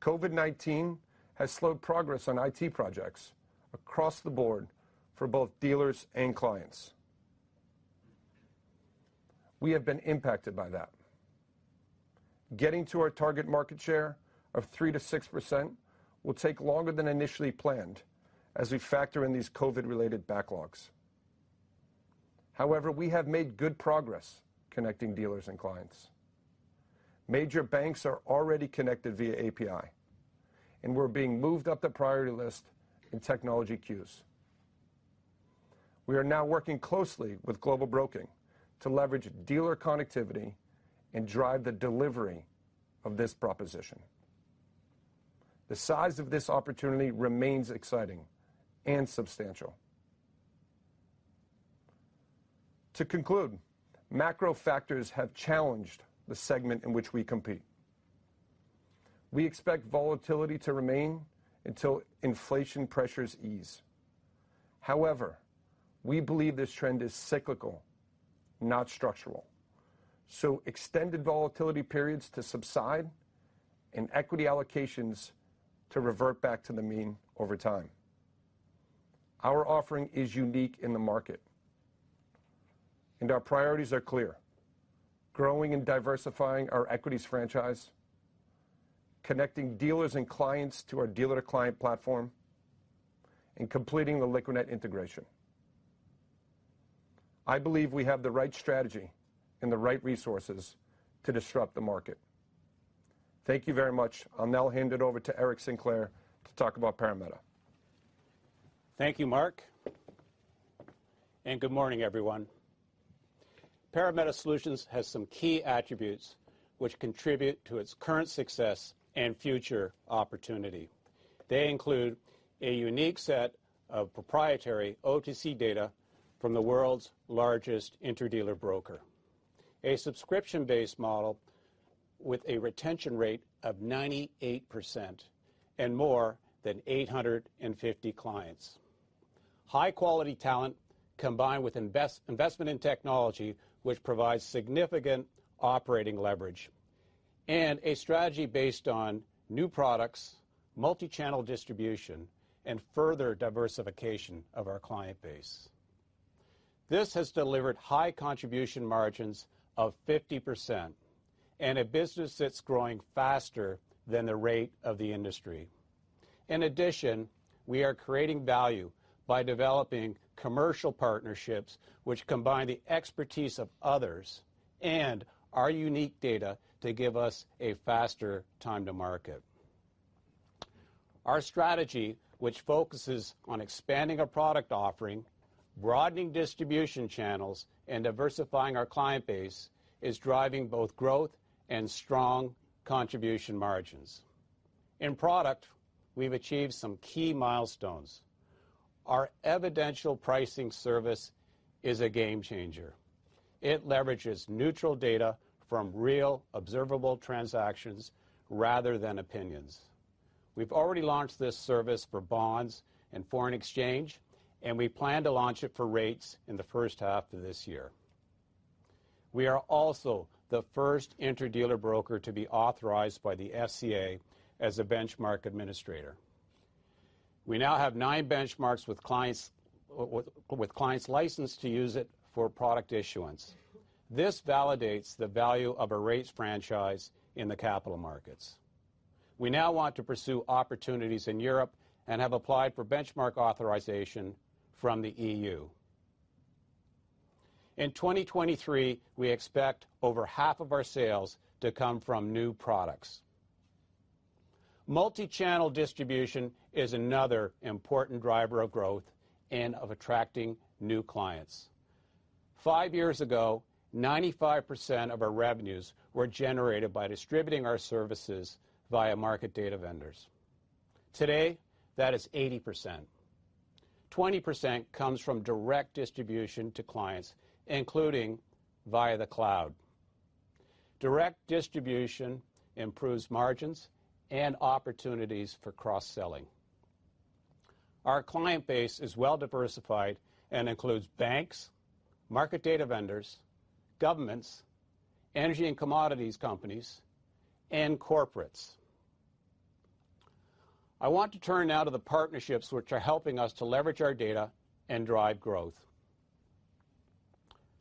COVID-19 has slowed progress on IT projects across the board for both dealers and clients. We have been impacted by that. Getting to our target market share of 3%-6% will take longer than initially planned as we factor in these COVID-related backlogs. However, we have made good progress connecting dealers and clients. Major banks are already connected via API, and we're being moved up the priority list in technology queues. We are now working closely with Global Broking to leverage dealer connectivity and drive the delivery of this proposition. The size of this opportunity remains exciting and substantial. To conclude, macro factors have challenged the segment in which we compete. We expect volatility to remain until inflation pressures ease. However, we believe this trend is cyclical, not structural, so extended volatility periods to subside and equity allocations to revert back to the mean over time. Our offering is unique in the market, and our priorities are clear: growing and diversifying our equities franchise, connecting dealers and clients to our dealer-to-client platform, and completing the Liquidnet integration. I believe we have the right strategy and the right resources to disrupt the market. Thank you very much. I'll now hand it over to Eric Sinclair to talk about Parameta. Thank you, Mark. Good morning, everyone. Parameta Solutions has some key attributes which contribute to its current success and future opportunity. They include a unique set of proprietary OTC data from the world's largest interdealer broker, a subscription-based model with a retention rate of 98% and more than 850 clients. High-quality talent combined with investment in technology, which provides significant operating leverage, and a strategy based on new products, multichannel distribution, and further diversification of our client base. This has delivered high contribution margins of 50% and a business that's growing faster than the rate of the industry. In addition, we are creating value by developing commercial partnerships which combine the expertise of others and our unique data to give us a faster time to market. Our strategy, which focuses on expanding our product offering, broadening distribution channels, and diversifying our client base, is driving both growth and strong contribution margins. In product, we've achieved some key milestones. Our Evidential Pricing Service is a game changer. It leverages neutral data from real observable transactions rather than opinions. We've already launched this service for bonds and foreign exchange, and we plan to launch it for rates in the first half of this year. We are also the first interdealer broker to be authorized by the FCA as a benchmark administrator. We now have nine benchmarks with clients licensed to use it for product issuance. This validates the value of a rates franchise in the capital markets. We now want to pursue opportunities in Europe and have applied for benchmark authorization from the EU. In 2023, we expect over half of our sales to come from new products. Multi-channel distribution is another important driver of growth and of attracting new clients. Five years ago, 95% of our revenues were generated by distributing our services via market data vendors. Today, that is 80%. 20% comes from direct distribution to clients, including via the cloud. Direct distribution improves margins and opportunities for cross-selling. Our client base is well diversified and includes banks, market data vendors, governments, energy and commodities companies, and corporates. I want to turn now to the partnerships which are helping us to leverage our data and drive growth.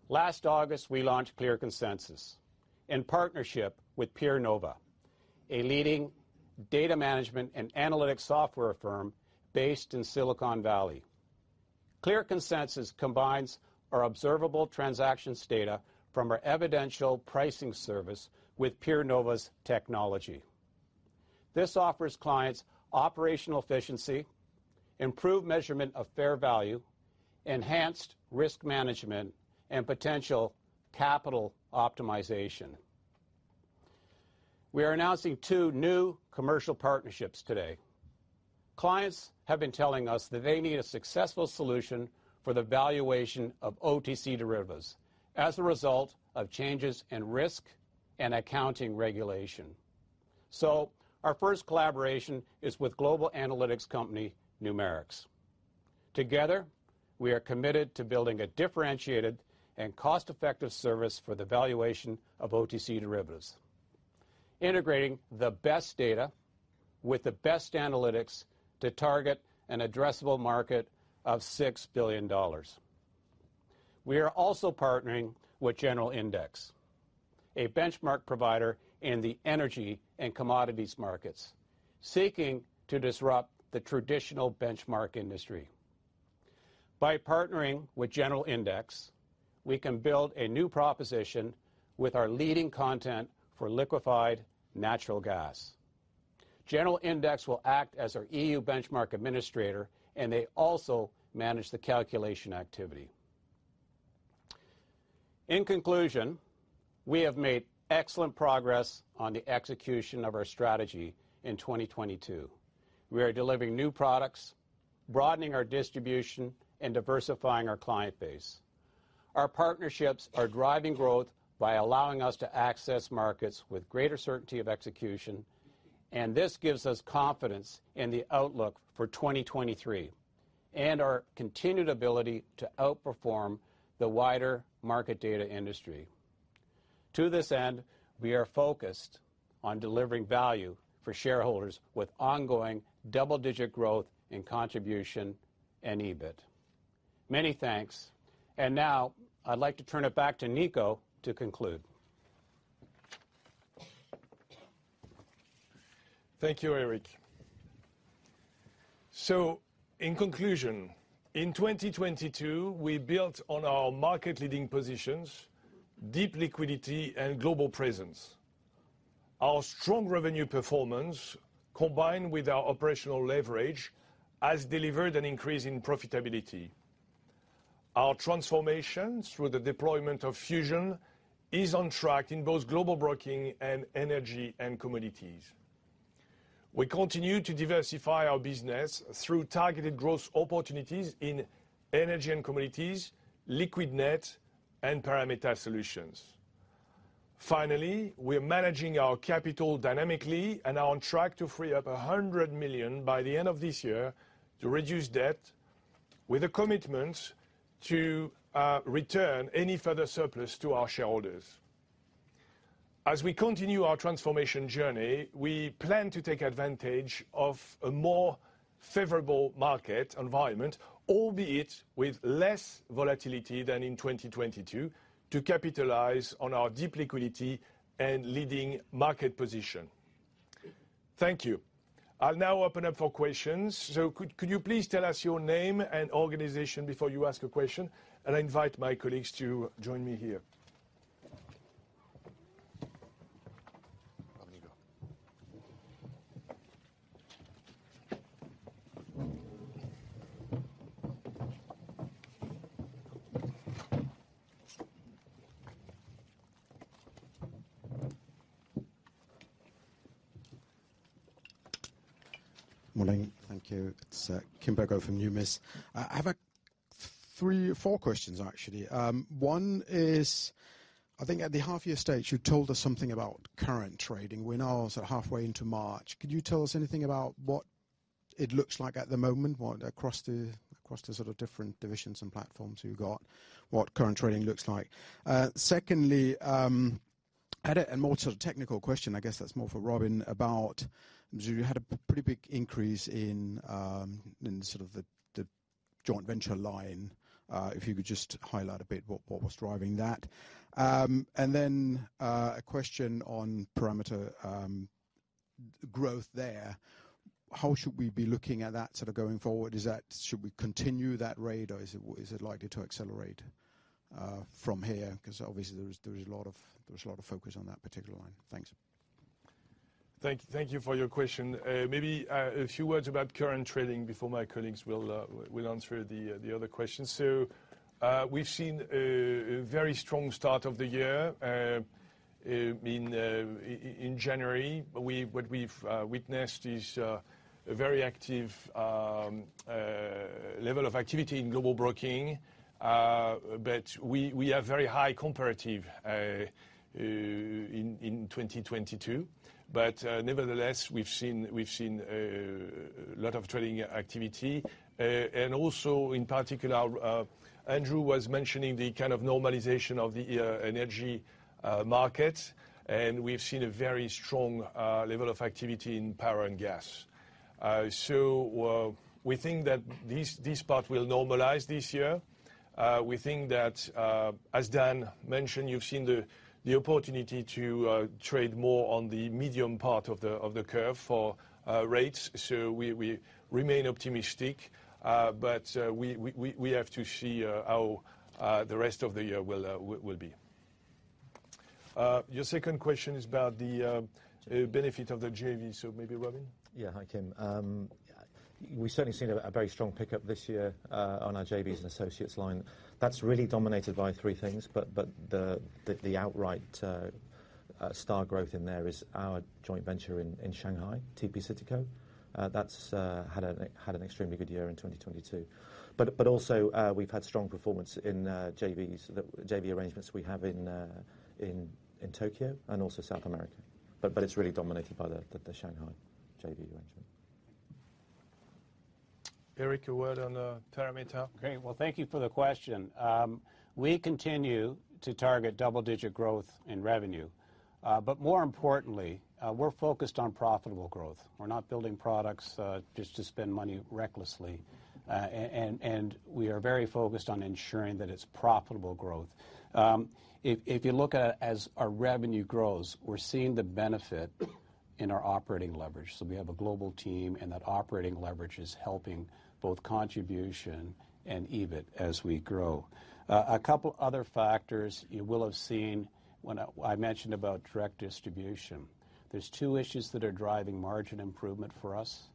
Last August, we launched ClearConsensus in partnership with PeerNova, a leading data management and analytics software firm based in Silicon Valley. ClearConsensus combines our observable transactions data from our Evidential Pricing Service with PeerNova's technology. This offers clients operational efficiency, improved measurement of fair value, enhanced risk management, and potential capital optimization. We are announcing two new commercial partnerships today. Clients have been telling us that they need a successful solution for the valuation of OTC derivatives as a result of changes in risk and accounting regulation. Our first collaboration is with global analytics company Numerix. Together, we are committed to building a differentiated and cost-effective service for the valuation of OTC derivatives, integrating the best data with the best analytics to target an addressable market of $6 billion. We are also partnering with General Index, a benchmark provider in the energy and commodities markets, seeking to disrupt the traditional benchmark industry. By partnering with General Index, we can build a new proposition with our leading content for liquefied natural gas. General Index will act as our EU benchmark administrator. They also manage the calculation activity. In conclusion, we have made excellent progress on the execution of our strategy in 2022. We are delivering new products, broadening our distribution, and diversifying our client base. Our partnerships are driving growth by allowing us to access markets with greater certainty of execution. This gives us confidence in the outlook for 2023 and our continued ability to outperform the wider market data industry. To this end, we are focused on delivering value for shareholders with ongoing double-digit growth in contribution and EBIT. Many thanks. Now I'd like to turn it back to Nico to conclude. Thank you, Eric. In conclusion, in 2022, we built on our market-leading positions, deep liquidity, and global presence. Our strong revenue performance, combined with our operational leverage, has delivered an increase in profitability. Our transformation through the deployment of Fusion is on track in both Global Broking and Energy & Commodities. We continue to diversify our business through targeted growth opportunities in Energy & Commodities, Liquidnet, and Parameta Solutions. Finally, we are managing our capital dynamically and are on track to free up 100 million by the end of this year to reduce debt with a commitment to return any further surplus to our shareholders. As we continue our transformation journey, we plan to take advantage of a more favorable market environment, albeit with less volatility than in 2022, to capitalize on our deep liquidity and leading market position. Thank you. I'll now open up for questions. Could you please tell us your name and organization before you ask a question? I invite my colleagues to join me here. Rodrigo. Morning. Thank you. It's, Benjamin Goy from Numis. I have 4 questions, actually. One is, I think at the half-year stage, you told us something about current trading. We're now sort of halfway into March. Could you tell us anything about what it looks like at the moment, what across the, across the sort of different divisions and platforms you've got, what current trading looks like? Secondly, and a, and more sort of technical question, I guess that's more for Robin, about you had a pretty big increase in sort of the joint venture line. If you could just highlight a bit what was driving that. Then, a question on Parameta growth there, how should we be looking at that sort of going forward? Is that, should we continue that rate or is it likely to accelerate from here? Because obviously there is a lot of focus on that particular line. Thanks. Thank you for your question. Maybe a few words about current trading before my colleagues will answer the other questions. We've seen a very strong start of the year in January. What we've witnessed is a very active level of activity in Global Broking. We have very high comparative in 2022. Nevertheless, we've seen a lot of trading activity. Also in particular, Andrew was mentioning the kind of normalization of the energy market. We've seen a very strong level of activity in power and gas. We think that this part will normalize this year. We think that, as Dan mentioned, you've seen the opportunity to, trade more on the medium part of the, of the curve for, rates. We remain optimistic. We have to see, how, the rest of the year will be. Your second question is about the benefit of the JV. Maybe Robin. Yeah. Hi, Benjamin. We're certainly seeing a very strong pickup this year on our JVs and associates line. That's really dominated by three things. The outright star growth in there is our joint venture in Shanghai, TP SITICO. That's had an extremely good year in 2022. Also we've had strong performance in JV arrangements we have in Tokyo and also South America. It's really dominated by the Shanghai JV arrangement. Eric, a word on, Parameta. Great. Well, thank you for the question. We continue to target double-digit growth in revenue. More importantly, we're focused on profitable growth. We're not building products just to spend money recklessly. We are very focused on ensuring that it's profitable growth. If you look at, as our revenue grows, we're seeing the benefit in our operating leverage. We have a global team, and that operating leverage is helping both contribution and EBIT as we grow. A couple other factors you will have seen when I mentioned about direct distribution. There's two issues that are driving margin improvement for us.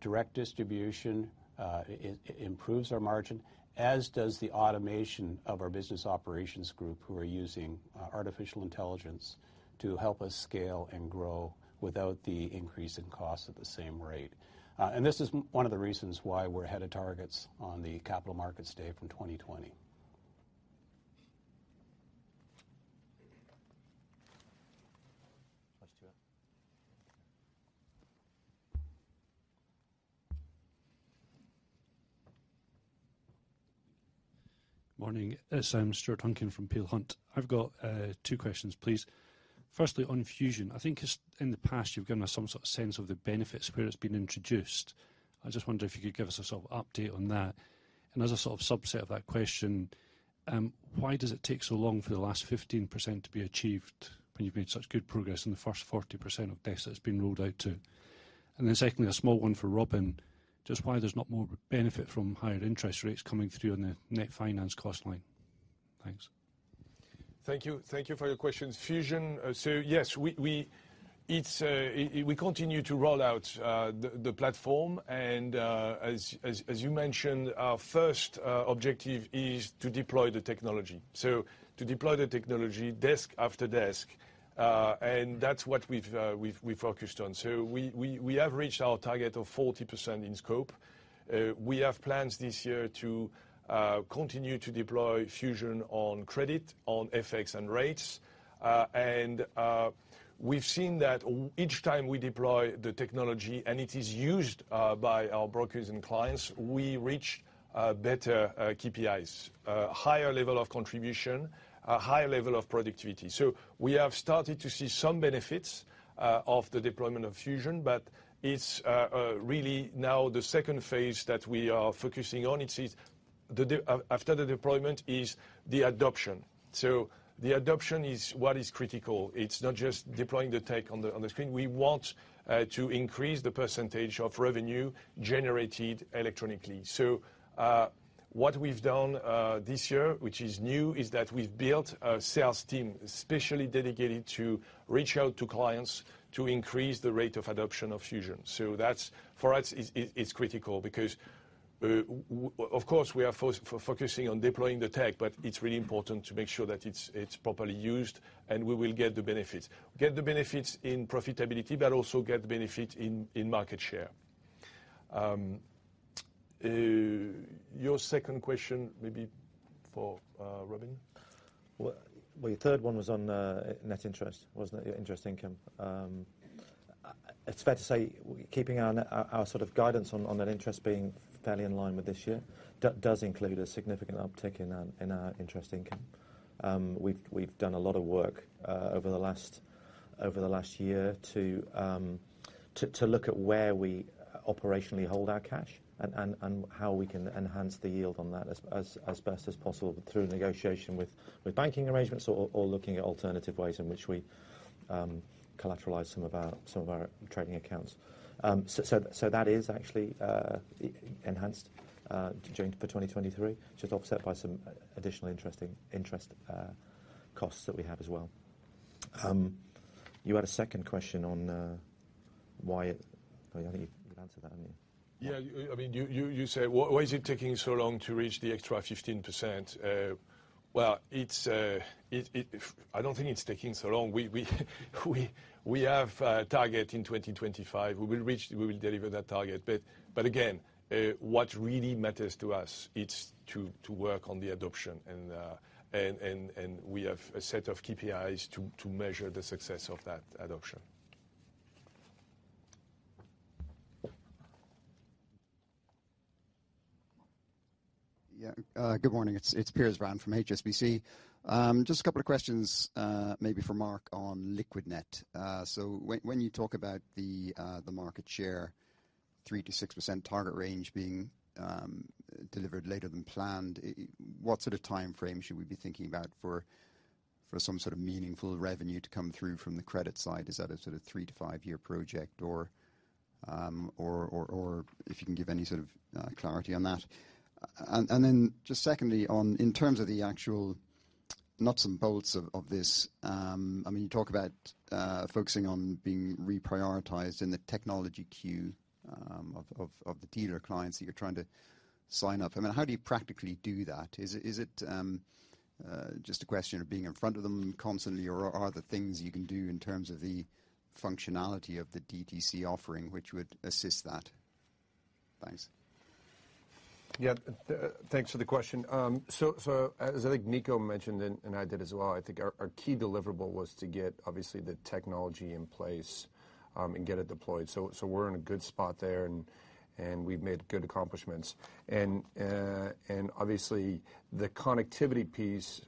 Direct distribution improves our margin, as does the automation of our business operations group who are using artificial intelligence to help us scale and grow without the increase in cost at the same rate. This is one of the reasons why we're ahead of targets on the Capital Markets Day from 2020. Let's do it. Morning. It's Stuart Duncan from Peel Hunt. I've got two questions, please. Firstly, on Fusion. I think in the past you've given us some sort of sense of the benefits where it's been introduced. I just wonder if you could give us a sort of update on that. As a sort of subset of that question, why does it take so long for the last 15% to be achieved when you've made such good progress in the first 40% of desks that it's been rolled out to? Secondly, a small one for Robin. Just why there's not more benefit from higher interest rates coming through on the net finance cost line. Thanks. Thank you. Thank you for your questions. Fusion, yes. We continue to roll out the platform. As you mentioned, our first objective is to deploy the technology. To deploy the technology desk after desk, that's what we've focused on. We have reached our target of 40% in scope. We have plans this year to continue to deploy Fusion on credit, on FX and rates. We've seen that each time we deploy the technology, and it is used by our brokers and clients, we reach better KPIs. Higher level of contribution, a higher level of productivity. We have started to see some benefits of the deployment of Fusion, but it's really now the second phase that we are focusing on. It is after the deployment is the adoption. The adoption is what is critical. It's not just deploying the tech on the screen. We want to increase the % of revenue generated electronically. What we've done this year, which is new, is that we've built a sales team specially dedicated to reach out to clients to increase the rate of adoption of Fusion. That's, for us, is critical because of course, we are focusing on deploying the tech, but it's really important to make sure that it's properly used, and we will get the benefits. Get the benefits in profitability, but also get the benefit in market share. Your second question maybe for Robin. Your third one was on net interest, wasn't it? Your interest income. It's fair to say keeping our sort of guidance on net interest being fairly in line with this year does include a significant uptick in our interest income. We've done a lot of work over the last year to look at where we operationally hold our cash and how we can enhance the yield on that as best as possible through negotiation with banking arrangements or looking at alternative ways in which we collateralize some of our trading accounts. That is actually enhanced during for 2023, just offset by some additional interest costs that we have as well. You had a second question on, I think you answered that, I mean. Yeah. I mean, you say, "Why is it taking so long to reach the extra 15%?" Well, it's, I don't think it's taking so long. We have a target in 2025. We will reach, we will deliver that target. Again, what really matters to us, it's to work on the adoption and we have a set of KPIs to measure the success of that adoption. Yeah. Good morning. It's Piers Brown from HSBC. Just a couple of questions, maybe for Mark on Liquidnet. So when you talk about the market share, 3%-6% target range being delivered later than planned, what sort of timeframe should we be thinking about for some sort of meaningful revenue to come through from the credit side? Is that a sort of 3-5 year project or if you can give any sort of clarity on that. Then just secondly on, in terms of the actual nuts and bolts of this, I mean, you talk about focusing on being reprioritized in the technology queue of the dealer clients that you're trying to sign up. I mean, how do you practically do that? Is it just a question of being in front of them constantly, or are there things you can do in terms of the functionality of the DTC offering which would assist that? Thanks. Yeah. Thanks for the question. As I think Nico mentioned and I did as well, I think our key deliverable was to get obviously the technology in place and get it deployed. We're in a good spot there, and we've made good accomplishments. Obviously the connectivity piece,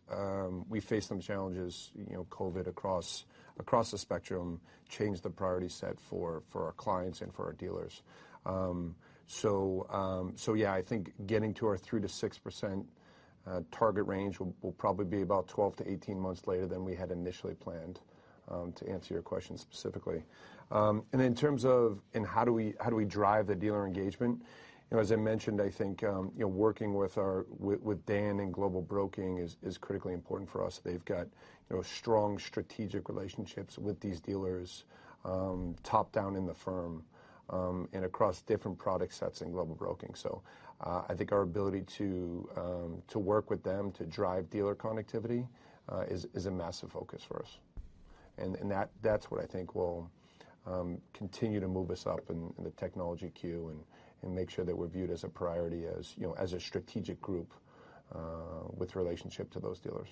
we face some challenges, you know, COVID across the spectrum, change the priority set for our clients and for our dealers. Yeah, I think getting to our 3%-6% target range will probably be about 12-18 months later than we had initially planned, to answer your question specifically. In terms of how do we drive the dealer engagement, you know, as I mentioned, I think, you know, working with our, with Dan and Global Broking is critically important for us. They've got, you know, strong strategic relationships with these dealers, top down in the firm, and across different product sets in Global Broking. I think our ability to work with them to drive dealer connectivity is a massive focus for us. That's what I think will continue to move us up in the technology queue and make sure that we're viewed as a priority, as, you know, a strategic group with relationship to those dealers.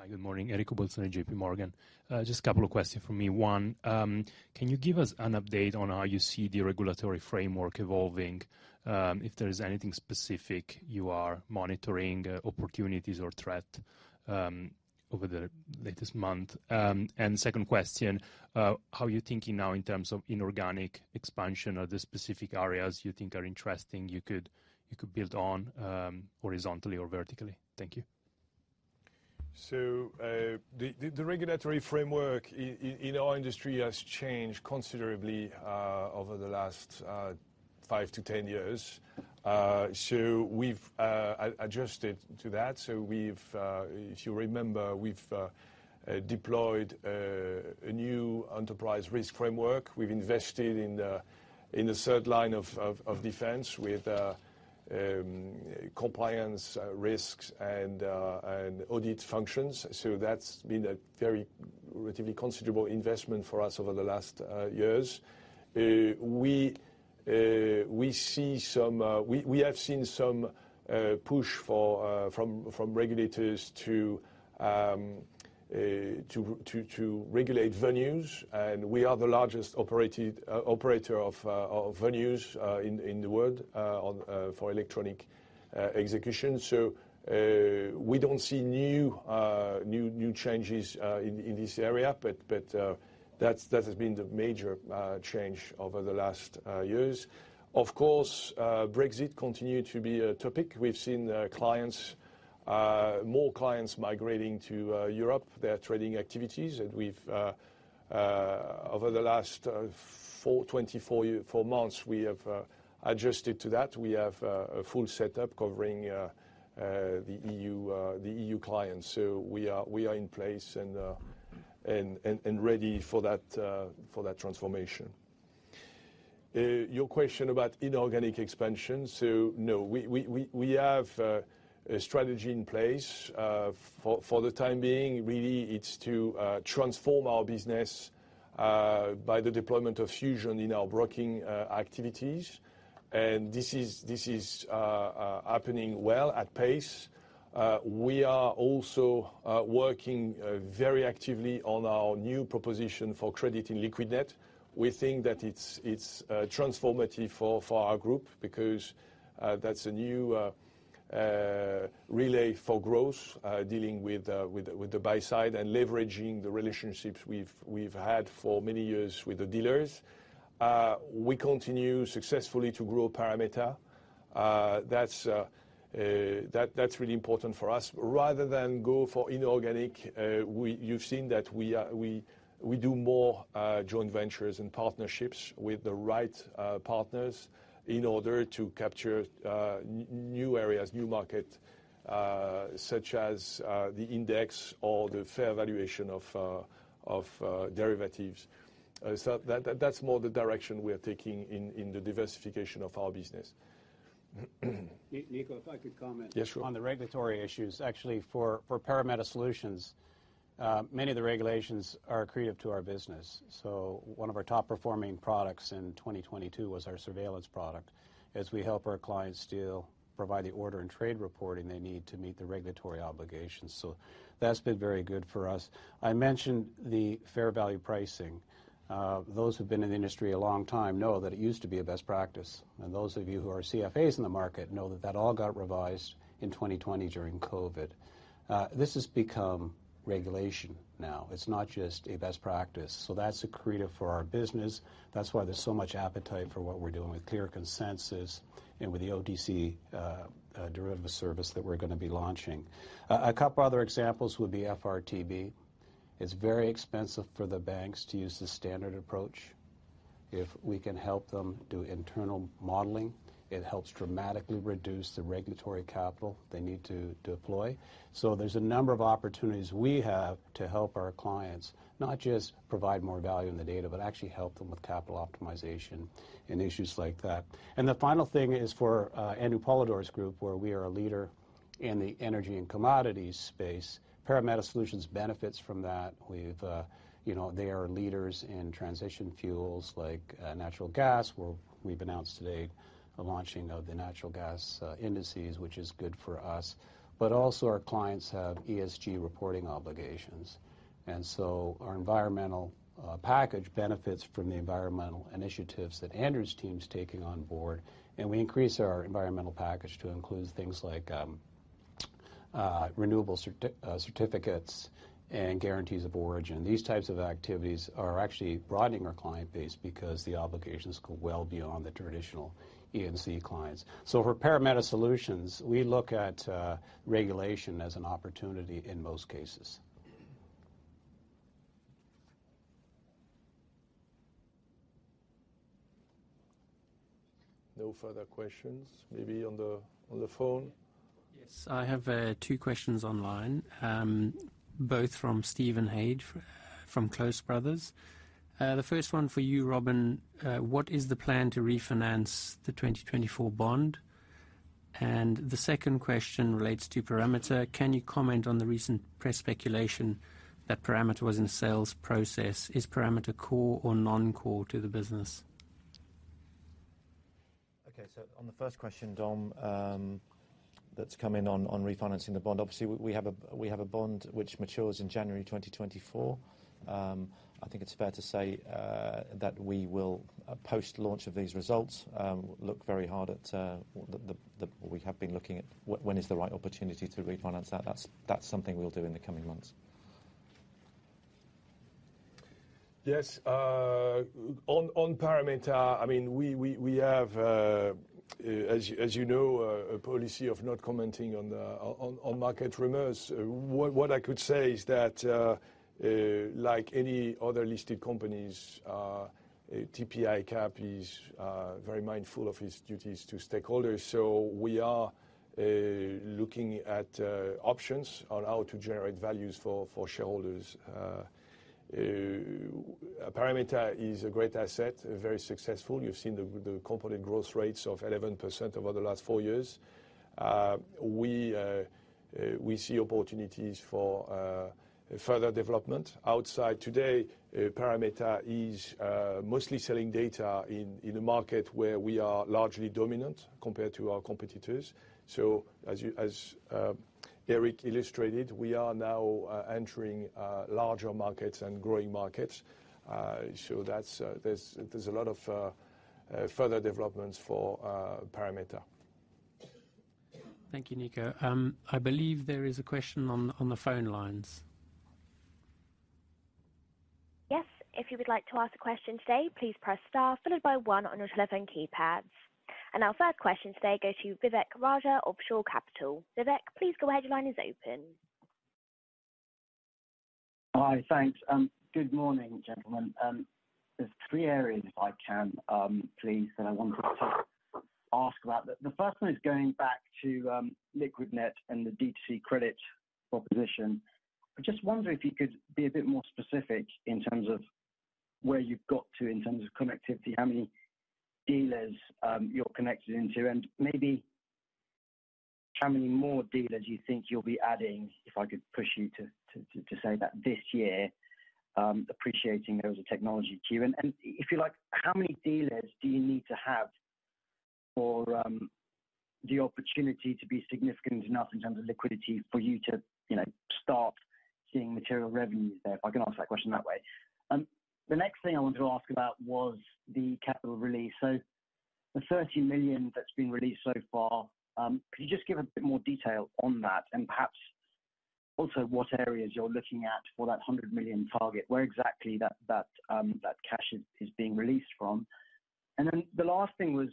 Hi, good morning. Enrico Bolzoni, JP Morgan. Just 2 questions from me. One, can you give us an update on how you see the regulatory framework evolving? If there is anything specific you are monitoring, opportunities or threat, over the latest month. Second question, how you're thinking now in terms of inorganic expansion or the specific areas you think are interesting, you could build on, horizontally or vertically. Thank you. The regulatory framework in our industry has changed considerably over the last 5 to 10 years. We've adjusted to that. We've, if you remember, we've deployed a new enterprise risk framework. We've invested in the third line of defense with compliance risks and audit functions. That's been a very relatively considerable investment for us over the last years. We see some, we have seen some push for from regulators to regulate venues, and we are the largest operated operator of venues in the world on for electronic execution. We don't see new new changes in this area. That has been the major change over the last years. Of course, Brexit continued to be a topic. We've seen clients, more clients migrating to Europe, their trading activities. We've over the last 24 months, we have adjusted to that. We have a full setup covering the EU, the EU clients. We are in place and ready for that transformation. Your question about inorganic expansion. No, we have a strategy in place. For the time being, really, it's to transform our business by the deployment of Fusion in our broking activities. This is happening well at pace. We are also working very actively on our new proposition for credit in Liquidnet. We think that it's transformative for our group because that's a new relay for growth, dealing with the buy side and leveraging the relationships we've had for many years with the dealers. We continue successfully to grow Parameta. That's really important for us. Rather than go for inorganic, you've seen that we are... we do more joint ventures and partnerships with the right partners in order to capture new areas, new market, such as the index or the fair valuation of derivatives. That, that's more the direction we are taking in the diversification of our business. Nico, if I could comment. Yeah, sure. On the regulatory issues. Actually, for Parameta Solutions, many of the regulations are accretive to our business. One of our top-performing products in 2022 was our surveillance product, as we help our clients provide the order and trade reporting they need to meet the regulatory obligations. That's been very good for us. I mentioned the fair value pricing. Those who've been in the industry a long time know that it used to be a best practice. Those of you who are CFAs in the market know that that all got revised in 2020 during COVID. This has become regulation now. It's not just a best practice. That's accretive for our business. That's why there's so much appetite for what we're doing with ClearConsensus and with the OTC derivative service that we're going to be launching. A couple other examples would be FRTB. It's very expensive for the banks to use the standard approach. If we can help them do internal modeling, it helps dramatically reduce the regulatory capital they need to deploy. There's a number of opportunities we have to help our clients, not just provide more value in the data, but actually help them with capital optimization and issues like that. The final thing is for Andrew Polydor's group, where we are a leader in the Energy & Commodities space. Parameta Solutions benefits from that. We've, you know, they are leaders in transition fuels like natural gas, where we've announced today the launching of the natural gas indices, which is good for us. Also our clients have ESG reporting obligations. Our environmental package benefits from the environmental initiatives that Andrew's team is taking on board, and we increase our environmental package to include things like renewable certificates and Guarantees of Origin. These types of activities are actually broadening our client base because the obligations go well beyond the traditional EMC clients. For Parameta Solutions, we look at regulation as an opportunity in most cases. No further questions. Maybe on the phone. Yes, I have two questions online, both from Stephen Head from Close Brothers. The first one for you, Robin. What is the plan to refinance the 2024 bond? The second question relates to Parameta. Can you comment on the recent press speculation that Parameta was in sales process? Is Parameta core or non-core to the business? Okay. On the first question, Dom, that's come in on refinancing the bond. Obviously, we have a bond which matures in January 2024. I think it's fair to say that we will post-launch of these results look very hard at when is the right opportunity to refinance that. That's something we'll do in the coming months. Yes, on Parameta, I mean, we have, as you know, a policy of not commenting on market rumors. What I could say is that, like any other listed companies, TP ICAP is very mindful of its duties to stakeholders. We are looking at options on how to generate values for shareholders. Parameta is a great asset, very successful. You've seen the component growth rates of 11% over the last 4 years. We see opportunities for further development outside. Today, Parameta is mostly selling data in a market where we are largely dominant compared to our competitors. As Eric illustrated, we are now entering larger markets and growing markets. There's a lot of further developments for Parameta. Thank you, Nico. I believe there is a question on the phone lines. Yes, if you would like to ask a question today, please press star followed by one on your telephone keypad. Our third question today goes to Vivek Raja of Shore Capital. Vivek, please go ahead. Your line is open. Hi, thanks. Good morning, gentlemen. There's three areas, if I can, please, that I wanted to ask about. The first one is going back to Liquidnet and the D2C credit proposition. I'm just wondering if you could be a bit more specific in terms of where you've got to in terms of connectivity, how many dealers you're connected into, and maybe how many more dealers you think you'll be adding, if I could push you to say that this year, appreciating there was a technology tier. If you like, how many dealers do you need to have for the opportunity to be significant enough in terms of liquidity for you to, you know, start seeing material revenues there? If I can ask that question that way. The next thing I wanted to ask about was the capital release. The 30 million that's been released so far, could you just give a bit more detail on that and Also what areas you're looking at for that 100 million target, where exactly that cash is being released from. The last thing was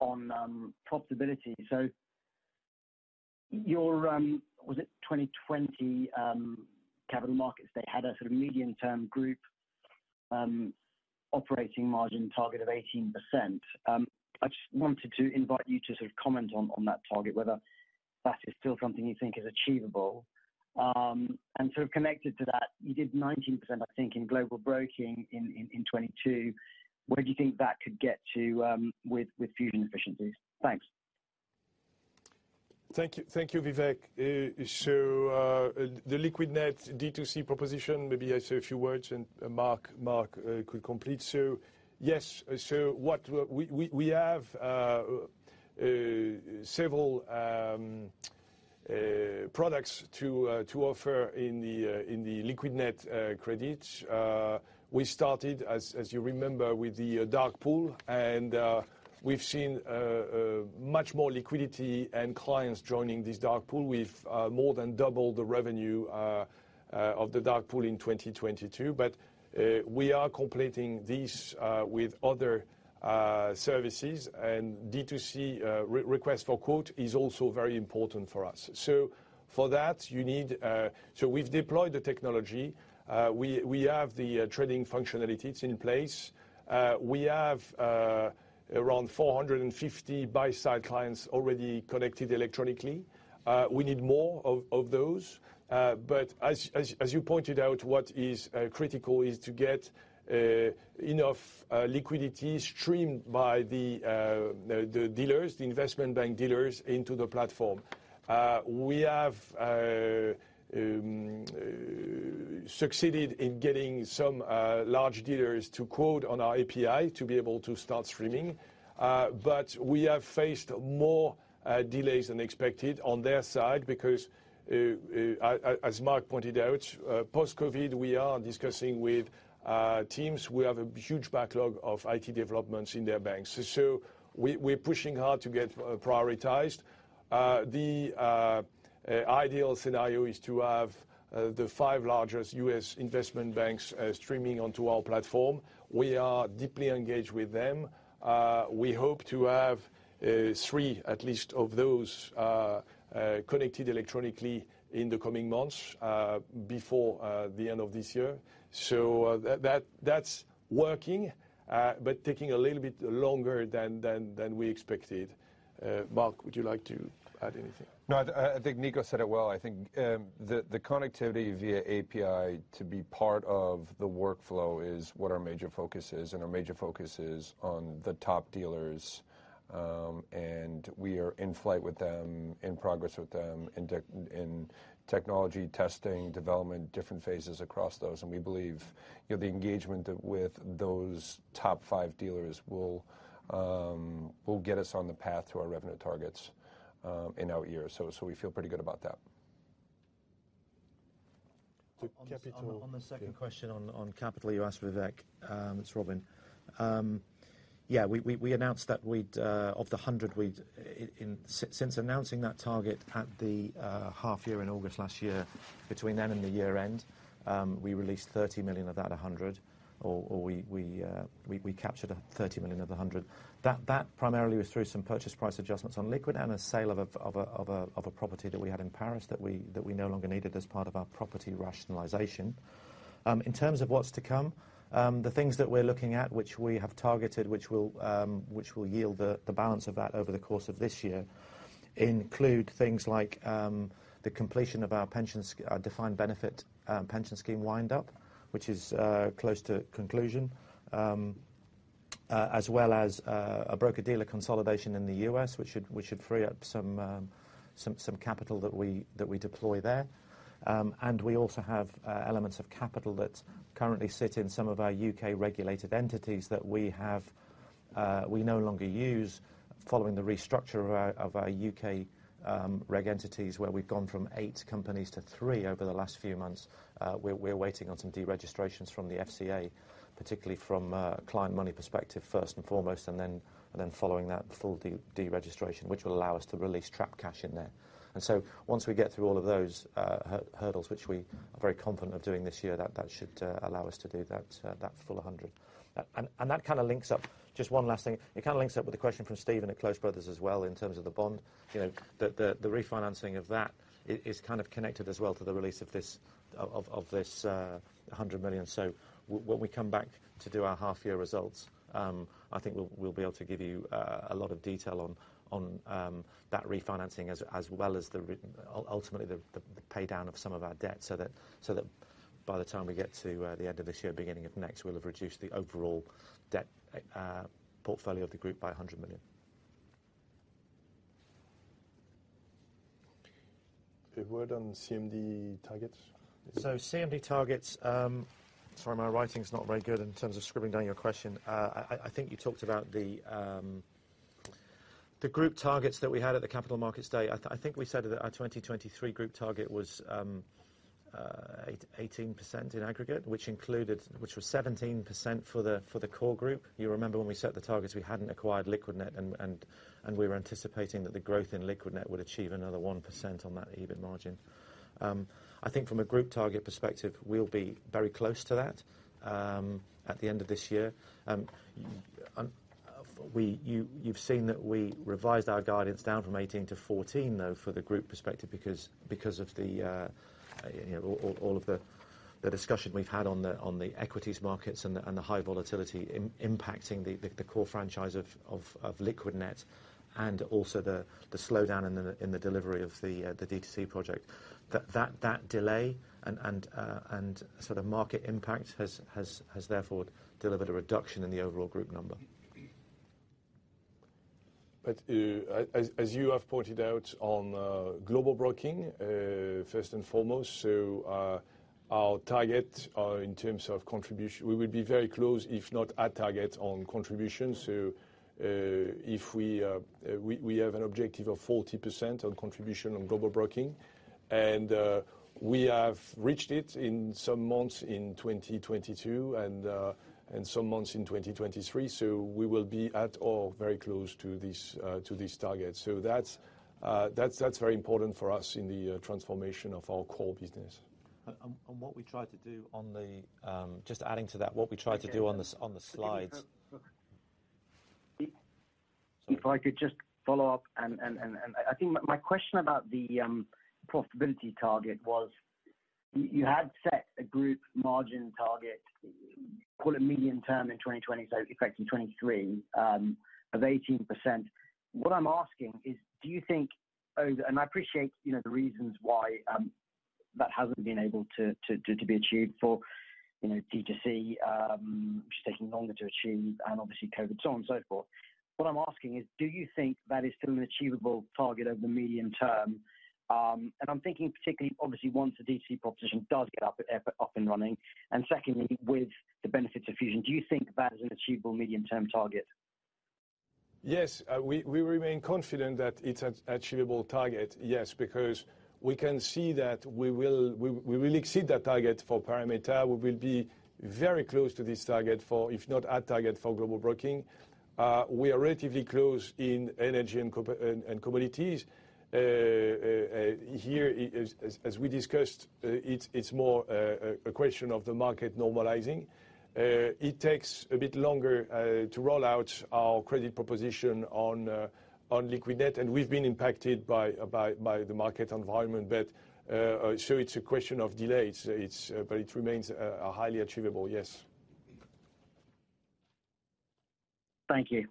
on profitability. Your, was it 2020 Capital Markets Day, they had a sort of medium-term group operating margin target of 18%. I just wanted to invite you to sort of comment on that target, whether that is still something you think is achievable. Sort of connected to that, you did 19%, I think, in Global Broking in 2022. Where do you think that could get to with Fusion efficiencies? Thanks. Thank you. Thank you, Vivek. The Liquidnet D2C proposition, maybe I say a few words and Mark could complete. Yes, what we have several products to offer in the Liquidnet credit. We started as you remember with the dark pool, and we've seen much more liquidity and clients joining this dark pool. We've more than doubled the revenue of the dark pool in 2022. We are completing this with other services and D2C re-request for quote is also very important for us. For that, you need, so we've deployed the technology. We have the trading functionality. It's in place. We have around 450 buy-side clients already connected electronically. We need more of those. As you pointed out, what is critical is to get enough liquidity streamed by the dealers, the investment bank dealers into the platform. We have succeeded in getting some large dealers to quote on our API to be able to start streaming. We have faced more delays than expected on their side because as Mark pointed out, post-COVID, we are discussing with teams. We have a huge backlog of IT developments in their banks. We're pushing hard to get prioritized. The ideal scenario is to have the 5 largest US investment banks streaming onto our platform. We are deeply engaged with them. We hope to have 3 at least of those connected electronically in the coming months before the end of this year. That's working, taking a little bit longer than we expected. Mark, would you like to add anything? No, I think Nico said it well. I think the connectivity via API to be part of the workflow is what our major focus is. Our major focus is on the top dealers. We are in flight with them, in progress with them in technology testing, development, different phases across those. We believe, you know, the engagement with those top 5 dealers will get us on the path to our revenue targets in our year. We feel pretty good about that. To. On the second question on capital, you asked Vivek Raja. It's Robin. We announced that since announcing that target at the half year in August last year, between then and the year-end, we released 30 million of that 100 million, or we captured 30 million of the 100 million. That primarily was through some purchase price adjustments on Liquidnet and a sale of a property that we had in Paris that we no longer needed as part of our property rationalization. In terms of what's to come, the things that we're looking at, which we have targeted, which will yield the balance of that over the course of this year, include things like the completion of our defined benefit pension scheme wind up, which is close to conclusion. As well as a broker-dealer consolidation in the US, which should free up some capital that we deploy there. We also have elements of capital that currently sit in some of our UK-regulated entities that we no longer use following the restructure of our UK reg entities, where we've gone from 8 companies to 3 over the last few months. We're waiting on some deregistrations from the FCA, particularly from a client money perspective, first and foremost, and then following that, the full deregistration, which will allow us to release trapped cash in there. Once we get through all of those hurdles, which we are very confident of doing this year, that should allow us to do that full 100 million. That kind of links up. Just one last thing. It kind of links up with the question from Steve and at Close Brothers as well, in terms of the bond. You know, the refinancing of that is kind of connected as well to the release of this 100 million. When we come back to do our half-year results, I think we'll be able to give you a lot of detail on that refinancing as well as ultimately the pay down of some of our debt, so that by the time we get to the end of this year, beginning of next, we'll have reduced the overall debt portfolio of the group by 100 million. A word on CMD targets. CMD targets, sorry, my writing's not very good in terms of scribbling down your question. I think you talked about the group targets that we had at the Capital Markets Day. I think we said that our 2023 group target was 18% in aggregate, which was 17% for the core group. You remember when we set the targets, we hadn't acquired Liquidnet and we were anticipating that the growth in Liquidnet would achieve another 1% on that EBIT margin. I think from a group target perspective, we'll be very close to that at the end of this year. You've seen that we revised our guidance down from 18 to 14, though, for the group perspective because of the, you know, all of the discussion we've had on the equities markets and the high volatility impacting the core franchise of Liquidnet and also the slowdown in the delivery of the DTC project. That delay and sort of market impact has therefore delivered a reduction in the overall group number. As you have pointed out on Global Broking, first and foremost, our target in terms of contribution, we will be very close, if not at target on contributions. If we have an objective of 40% on contribution on Global Broking, and we have reached it in some months in 2022 and some months in 2023, so we will be at or very close to this to this target. That's, that's very important for us in the transformation of our core business. Just adding to that. Okay. On the slides. If I could just follow up, I think my question about the profitability target was you had set a group margin target, call it medium term in 2020, so effectively 2023, of 18%. What I'm asking is, do you think over, and I appreciate, you know, the reasons why that hasn't been able to be achieved for, you know, DTC, which is taking longer to achieve and obviously COVID, so on and so forth. What I'm asking is, do you think that is still an achievable target over the medium term? I'm thinking particularly obviously once the DTC proposition does get up and running and secondly with the benefits of Fusion. Do you think that is an achievable medium-term target? Yes. We remain confident that it's an achievable target, yes, because we can see that we will exceed that target for Parameta. We will be very close to this target for, if not at target for Global Broking. We are relatively close in Energy & Commodities. Here as we discussed, it's more a question of the market normalizing. It takes a bit longer to roll out our credit proposition on Liquidnet, and we've been impacted by the market environment. It's a question of delays. It remains highly achievable, yes. Thank you.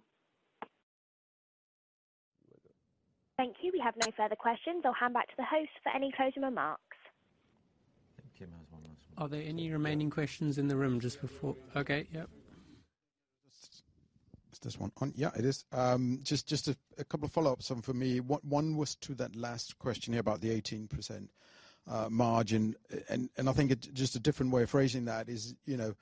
Thank you. We have no further questions. I'll hand back to the host for any closing remarks. I think Jim has one last one. Are there any remaining questions in the room just before... Okay, yep. Is this one on? Yeah, it is. Just a couple follow-ups for me. One was to that last question here about the 18% margin. I think it's just a different way of phrasing that is, you know,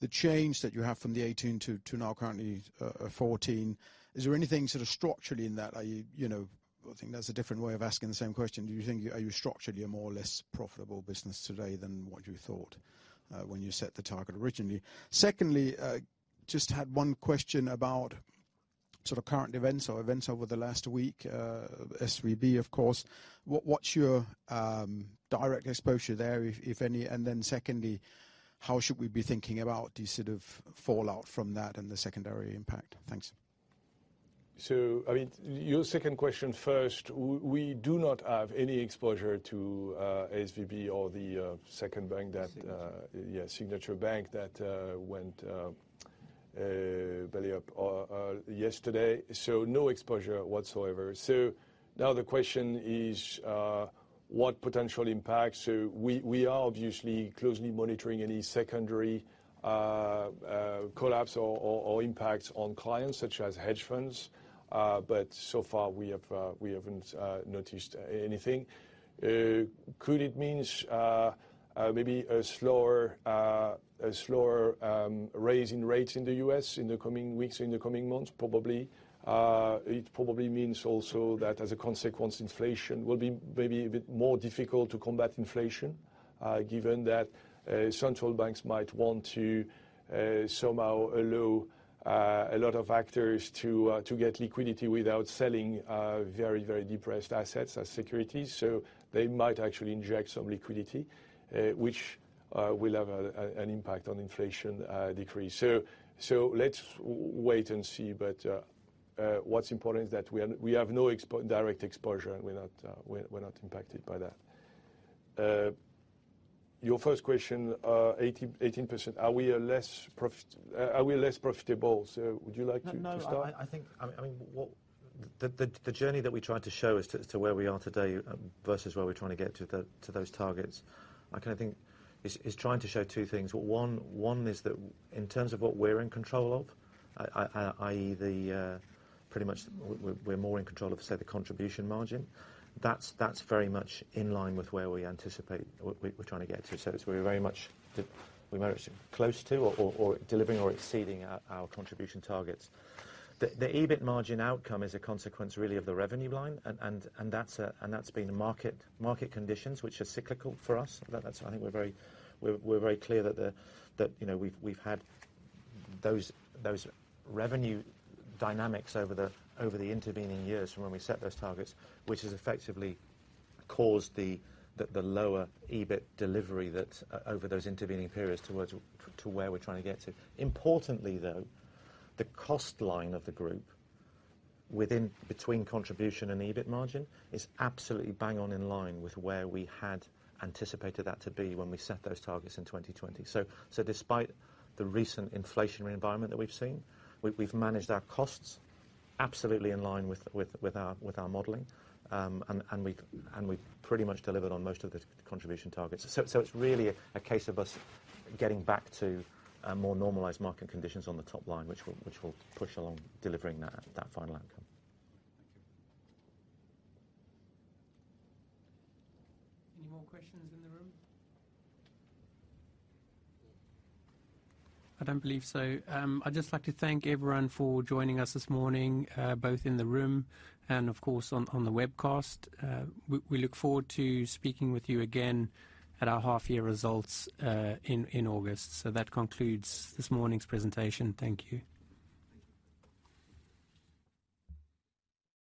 the change that you have from the 18 to now currently 14. Is there anything sort of structurally in that? Are you know, I think that's a different way of asking the same question. Do you think are you structurally a more or less profitable business today than what you thought when you set the target originally? Secondly, just had one question about sort of current events or events over the last week, SVB of course. What's your direct exposure there, if any? Secondly, how should we be thinking about the sort of fallout from that and the secondary impact? Thanks. I mean, your second question first, we do not have any exposure to SVB or the second bank that Signature Bank that went belly up yesterday. No exposure whatsoever. Now the question is what potential impact? We, we are obviously closely monitoring any secondary collapse or impact on clients such as hedge funds. So far, we haven't noticed anything. Could it means maybe a slower raising rates in the U.S. in the coming weeks, in the coming months? Probably. It probably means also that as a consequence, inflation will be maybe a bit more difficult to combat inflation, given that central banks might want to somehow allow a lot of factors to get liquidity without selling very, very depressed assets as securities. They might actually inject some liquidity, which will have an impact on inflation decrease. Let's wait and see. What's important is that we have no direct exposure and we're not impacted by that. Your first question, 18%, are we less profitable? Would you like to start? I think, I mean, what the journey that we tried to show as to where we are today versus where we're trying to get to those targets, I kinda think is trying to show two things. One is that in terms of what we're in control of, i.e. the pretty much we're more in control of, say, the contribution margin. That's very much in line with where we anticipate we're trying to get to. It's where we're very much close to or delivering or exceeding our contribution targets. The EBIT margin outcome is a consequence really of the revenue line, and that's been market conditions, which are cyclical for us. That's, I think we're very clear that, you know, we've had those revenue dynamics over the intervening years from when we set those targets, which has effectively caused the lower EBIT delivery that over those intervening periods towards where we're trying to get to. Importantly, though, the cost line of the group within between contribution and EBIT margin is absolutely bang on in line with where we had anticipated that to be when we set those targets in 2020. Despite the recent inflationary environment that we've seen, we've managed our costs absolutely in line with our modeling. We pretty much delivered on most of the contribution targets.It's really a case of us getting back to a more normalized market conditions on the top line, which will push along delivering that final outcome. Thank you. Any more questions in the room? I don't believe so. I'd just like to thank everyone for joining us this morning, both in the room and of course, on the webcast. We look forward to speaking with you again at our half-year results in August. That concludes this morning's presentation. Thank you.